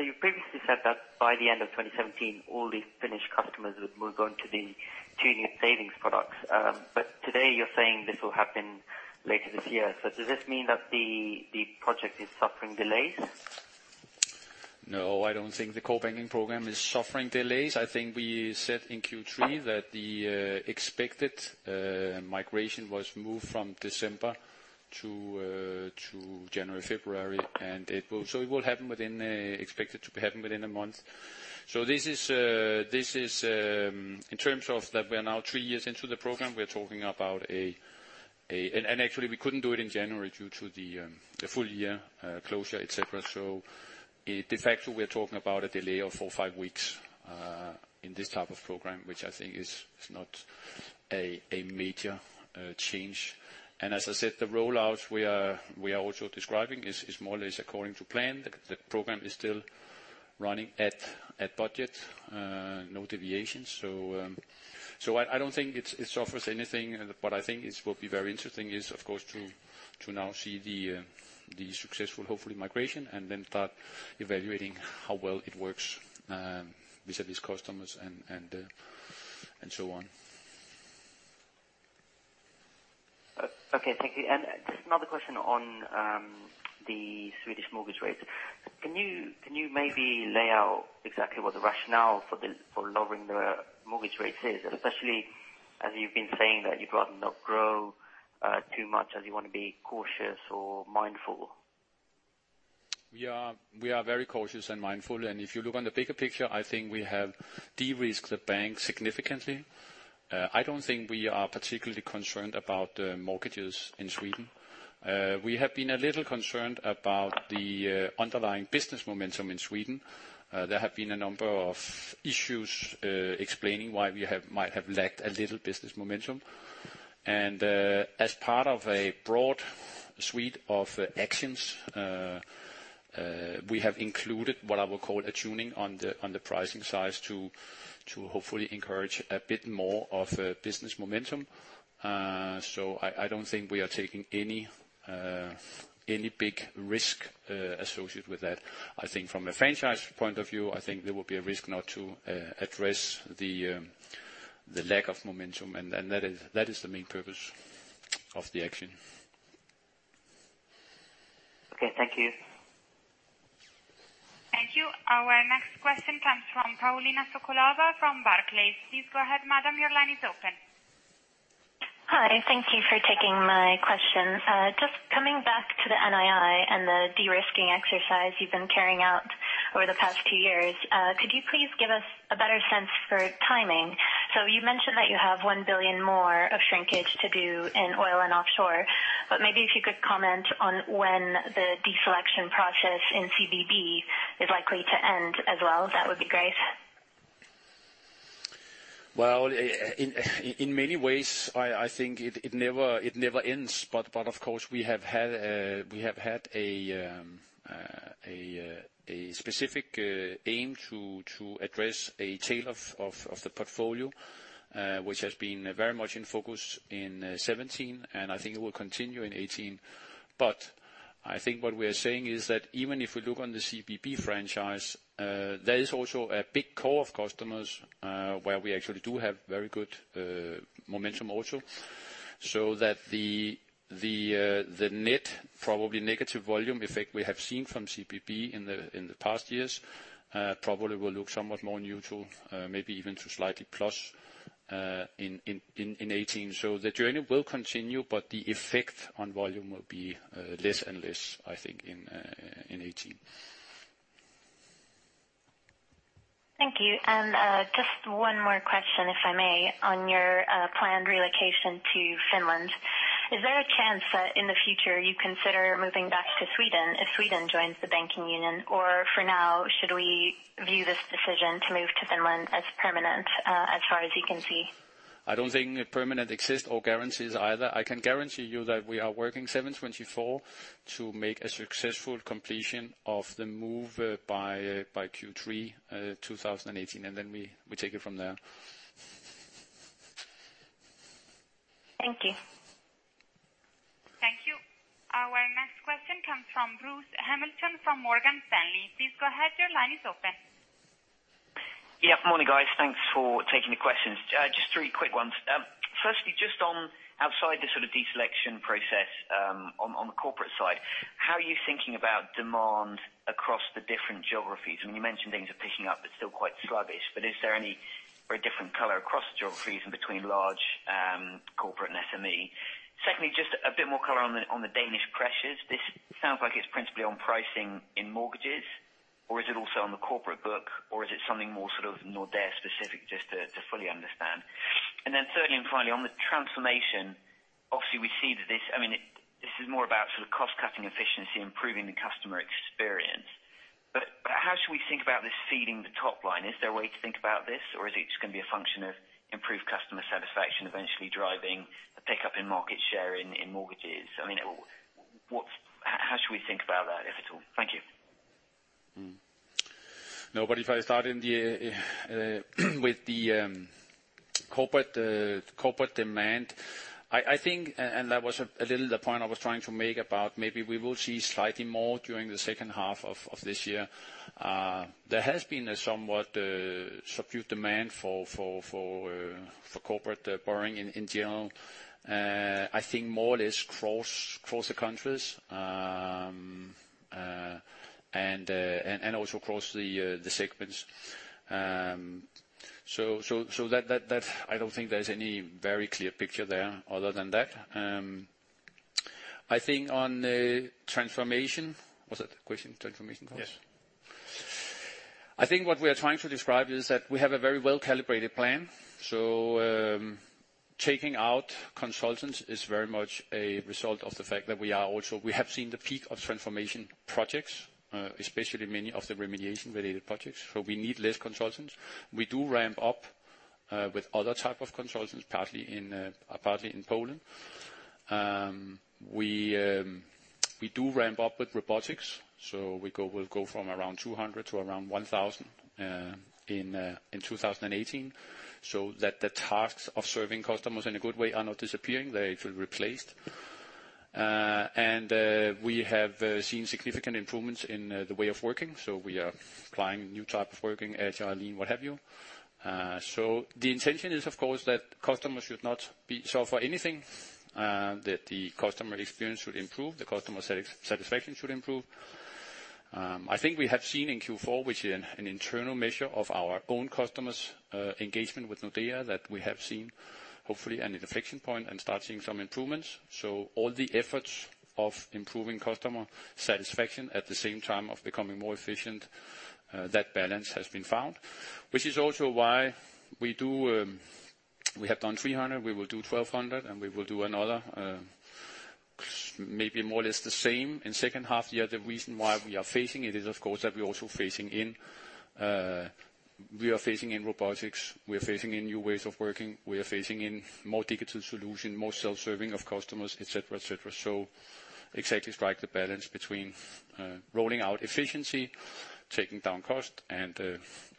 You previously said that by the end of 2017, all the Finnish customers would move on to the two new savings products. Today you're saying this will happen later this year. Does this mean that the project is suffering delays? No, I don't think the core banking program is suffering delays. I think we said in Q3 that the expected migration was moved from December to January, February, expected to happen within a month. This is, in terms of that we are now 3 years into the program, we couldn't do it in January due to the full year closure, et cetera. De facto, we're talking about a delay of 4, 5 weeks, in this type of program, which I think is not a major change. As I said, the rollout we are also describing is more or less according to plan. The program is still running at budget, no deviations. I don't think it suffers anything. I think it will be very interesting is, of course, to now see the successful, hopefully, migration and then start evaluating how well it works with these customers and so on. Okay, thank you. Just another question on the Swedish mortgage rates. Can you maybe lay out exactly what the rationale for lowering the mortgage rates is? Especially as you've been saying that you'd rather not grow too much as you want to be cautious or mindful. If you look on the bigger picture, I think we have de-risked the bank significantly. I don't think we are particularly concerned about mortgages in Sweden. We have been a little concerned about the underlying business momentum in Sweden. There have been a number of issues explaining why we might have lacked a little business momentum. As part of a broad suite of actions, we have included what I would call a tuning on the pricing side to hopefully encourage a bit more of a business momentum. I don't think we are taking any big risk associated with that. I think from a franchise point of view, I think there will be a risk not to address the lack of momentum, and that is the main purpose of the action. Okay, thank you. Thank you. Our next question comes from Paulina Sokolova from Barclays. Please go ahead, madam. Your line is open. Hi, thank you for taking my question. Just coming back to the NII and the de-risking exercise you've been carrying out over the past two years, could you please give us a better sense for timing? You mentioned that you have 1 billion more of shrinkage to do in oil and offshore, but maybe if you could comment on when the deselection process in CBB is likely to end as well, that would be great. In many ways, I think it never ends. Of course, we have had a specific aim to address a tail of the portfolio, which has been very much in focus in 2017, and I think it will continue in 2018. I think what we are saying is that even if we look on the CBB franchise, there is also a big core of customers, where we actually do have very good momentum also. The net, probably negative volume effect we have seen from CBB in the past years, probably will look somewhat more neutral, maybe even to slightly plus in 2018. The journey will continue, but the effect on volume will be less and less, I think, in 2018. Thank you. Just one more question, if I may, on your planned relocation to Finland. Is there a chance that in the future you consider moving back to Sweden if Sweden joins the Banking Union? For now, should we view this decision to move to Finland as permanent as far as you can see? I don't think permanent exists or guarantees either. I can guarantee you that we are working 7/24 to make a successful completion of the move by Q3 2018. Then we take it from there. Thank you. Thank you. Our next question comes from Bruce Hamilton from Morgan Stanley. Please go ahead. Your line is open. Morning, guys. Thanks for taking the questions. Just three quick ones. Firstly, just on outside the sort of deselection process, on the corporate side, how are you thinking about demand across the different geographies? You mentioned things are picking up, but still quite sluggish. Is there any very different color across the geographies and between large corporate and SME? Secondly, just a bit more color on the Danish pressures. This sounds like it's principally on pricing in mortgages, or is it also on the corporate book, or is it something more sort of Nordea specific, just to fully understand? Then thirdly and finally, on the transformation, obviously we see that this is more about sort of cost-cutting efficiency, improving the customer experience. How should we think about this seeding the top line? Is there a way to think about this, or is it just going to be a function of improved customer satisfaction eventually driving a pickup in market share in mortgages? How should we think about that, if at all? Thank you. Nobody. If I start with the corporate demand, I think, that was a little the point I was trying to make about maybe we will see slightly more during the second half of this year. There has been a somewhat subdued demand for corporate borrowing in general. I think more or less across the countries, and also across the segments. I don't think there's any very clear picture there other than that. I think on the transformation. Was that the question, transformation for us? Yes. I think what we are trying to describe is that we have a very well-calibrated plan. Taking out consultants is very much a result of the fact that we have seen the peak of transformation projects, especially many of the remediation-related projects. We need less consultants. We do ramp up with other type of consultants, partly in Poland. We do ramp up with robotics. We'll go from around 200 to around 1,000 in 2018. That the tasks of serving customers in a good way are not disappearing. They're actually replaced. We have seen significant improvements in the way of working. We are applying new type of working, Agile, what have you. The intention is, of course, that customers should not suffer anything, that the customer experience should improve, the customer satisfaction should improve. I think we have seen in Q4, which is an internal measure of our own customers' engagement with Nordea, that we have seen, hopefully an inflection point and start seeing some improvements. All the efforts of improving customer satisfaction at the same time of becoming more efficient, that balance has been found, which is also why we have done 300, we will do 1,200, and we will do another maybe more or less the same in second half of the year. The reason why we are phasing it is, of course, that we are also phasing in robotics, we are phasing in new ways of working, we are phasing in more digital solution, more self-serving of customers, et cetera. Exactly strike the balance between rolling out efficiency, taking down cost, and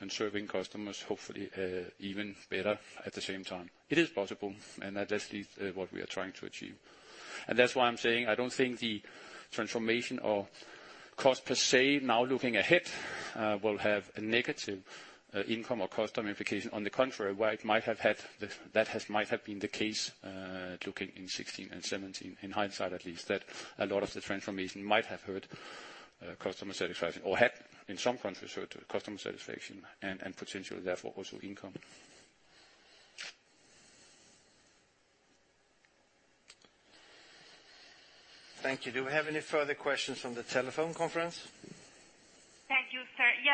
serving customers, hopefully even better at the same time. It is possible, that's at least what we are trying to achieve. That's why I'm saying I don't think the transformation or cost per se now looking ahead will have a negative income or cost implication. On the contrary, where that might have been the case looking in 2016 and 2017, in hindsight at least, that a lot of the transformation might have hurt customer satisfaction or had in some countries hurt customer satisfaction and potentially therefore also income. Thank you. Do we have any further questions from the telephone conference?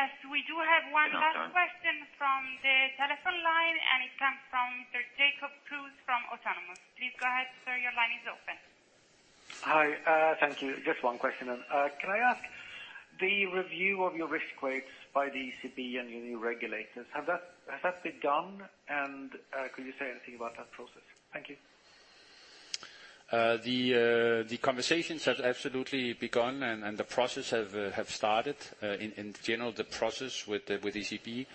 Thank you, sir. Yes, we do have one last question from the telephone line. It comes from Jacob Kruse from Autonomous. Please go ahead, sir. Your line is open. Hi. Thank you. Just one question. Can I ask, the review of your risk weights by the ECB and your new regulators, has that begun? Could you say anything about that process? Thank you. The conversations have absolutely begun. The process have started. In general, the process with ECB,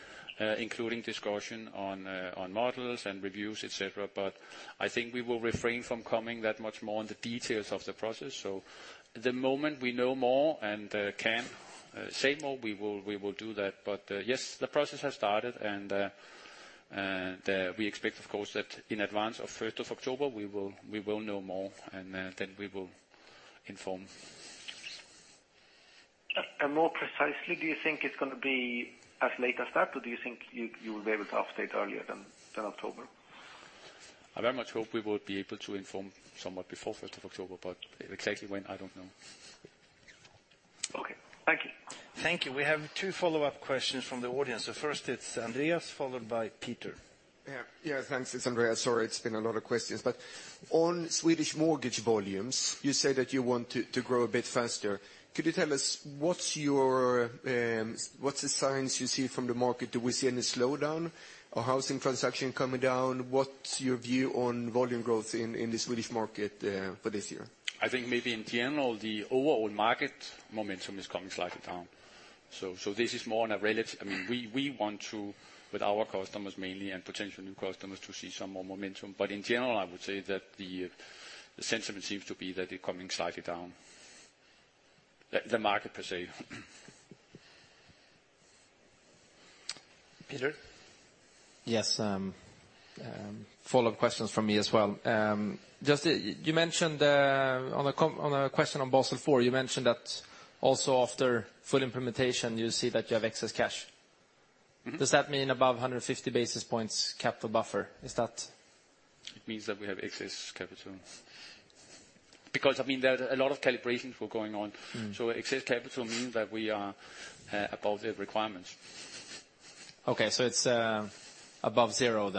including discussion on models and reviews, et cetera, I think we will refrain from coming that much more on the details of the process. The moment we know more and can say more, we will do that. Yes, the process has started, we expect, of course, that in advance of 1st of October, we will know more, then we will inform. More precisely, do you think it's going to be as late as that, or do you think you will be able to update earlier than October? I very much hope we will be able to inform somewhat before 1st of October, but exactly when, I don't know. Okay. Thank you. Thank you. We have two follow-up questions from the audience. First it's Andreas, followed by Peter. Yeah. Thanks. It's Andreas. Sorry, it's been a lot of questions, on Swedish mortgage volumes, you say that you want to grow a bit faster. Could you tell us what's the signs you see from the market? Do we see any slowdown or housing transaction coming down? What's your view on volume growth in the Swedish market for this year? I think maybe in general, the overall market momentum is coming slightly down. This is more on a relative-- We want to, with our customers mainly and potential new customers, to see some more momentum. In general, I would say that the sentiment seems to be that they're coming slightly down. The market per se. Peter? Yes. Follow-up questions from me as well. You mentioned on a question on Basel IV, you mentioned that also after full implementation, you see that you have excess cash. Does that mean above 150 basis points capital buffer? Is that It means that we have excess capital. There a lot of calibrations were going on. Excess capital means that we are above the requirements. It is above zero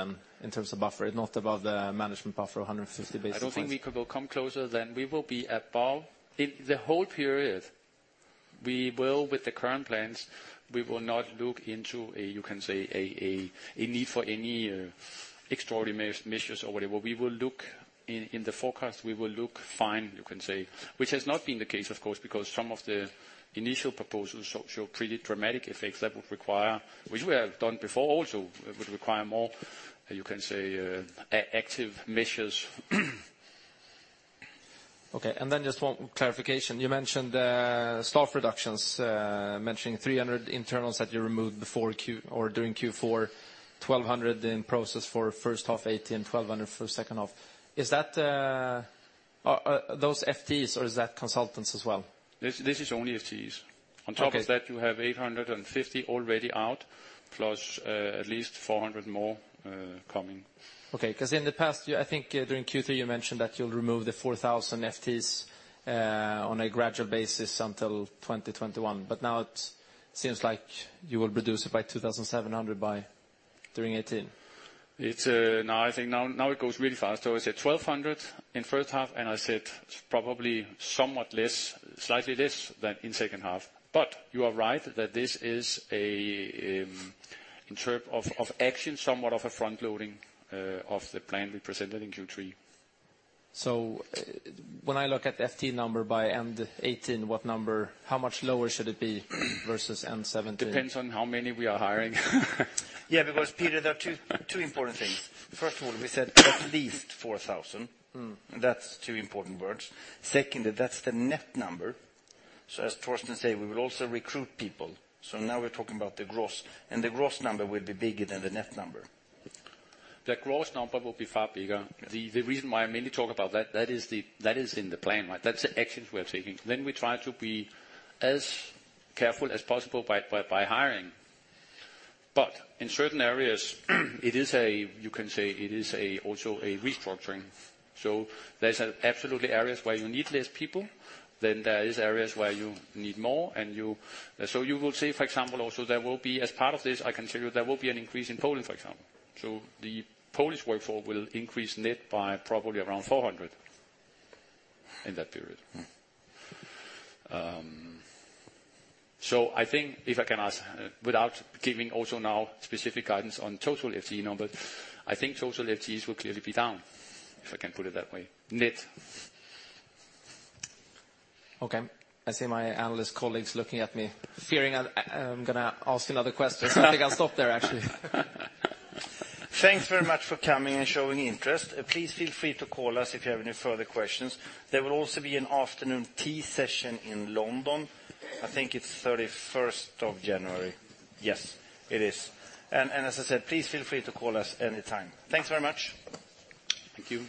in terms of buffer, not above the management buffer, 150 basis points. I do not think we could come closer than we will be above in the whole period. We will with the current plans, we will not look into a need for any extraordinary measures or whatever. We will look in the forecast. We will look fine. Which has not been the case, of course, because some of the initial proposals show pretty dramatic effects that would require, which we have done before also, it would require more active measures. Just one clarification. You mentioned staff reductions, mentioning 300 internals that you removed before or during Q4, 1,200 in process for first half 2018, 1,200 for second half. Are those FTEs or is that consultants as well? This is only FTEs. Okay. On top of that, you have 850 already out, plus at least 400 more coming. Okay, in the past, I think during Q3, you mentioned that you'll remove the 4,000 FTEs on a gradual basis until 2021, now it seems like you will reduce it by 2,700 by during 2018. No, I think now it goes really fast. I said 1,200 in first half, I said probably somewhat less, slightly less than in second half. You are right that this is a in terms of action, somewhat of a front-loading of the plan we presented in Q3. When I look at FTE number by end 2018, what number, how much lower should it be versus end 2017? Depends on how many we are hiring. Yeah, because Peter, there are two important things. First of all, we said at least 4,000. That's two important words. Second, that's the net number. As Torsten say, we will also recruit people. Now we're talking about the gross, the gross number will be bigger than the net number. The gross number will be far bigger. The reason why I mainly talk about that is in the plan. That's the actions we are taking. We try to be as careful as possible by hiring. In certain areas, it is a, you can say, it is also a restructuring. There's absolutely areas where you need less people, then there is areas where you need more. You will see, for example, also there will be as part of this, I can tell you there will be an increase in Poland, for example. The Polish workforce will increase net by probably around 400 in that period. I think if I can ask without giving also now specific guidance on total FTE number, I think total FTEs will clearly be down, if I can put it that way. Net. Okay. I see my analyst colleagues looking at me fearing I'm going to ask another question. I think I'll stop there, actually. Thanks very much for coming and showing interest. Please feel free to call us if you have any further questions. There will also be an afternoon tea session in London. I think it's 31st of January. Yes, it is. As I said, please feel free to call us any time. Thanks very much. Thank you.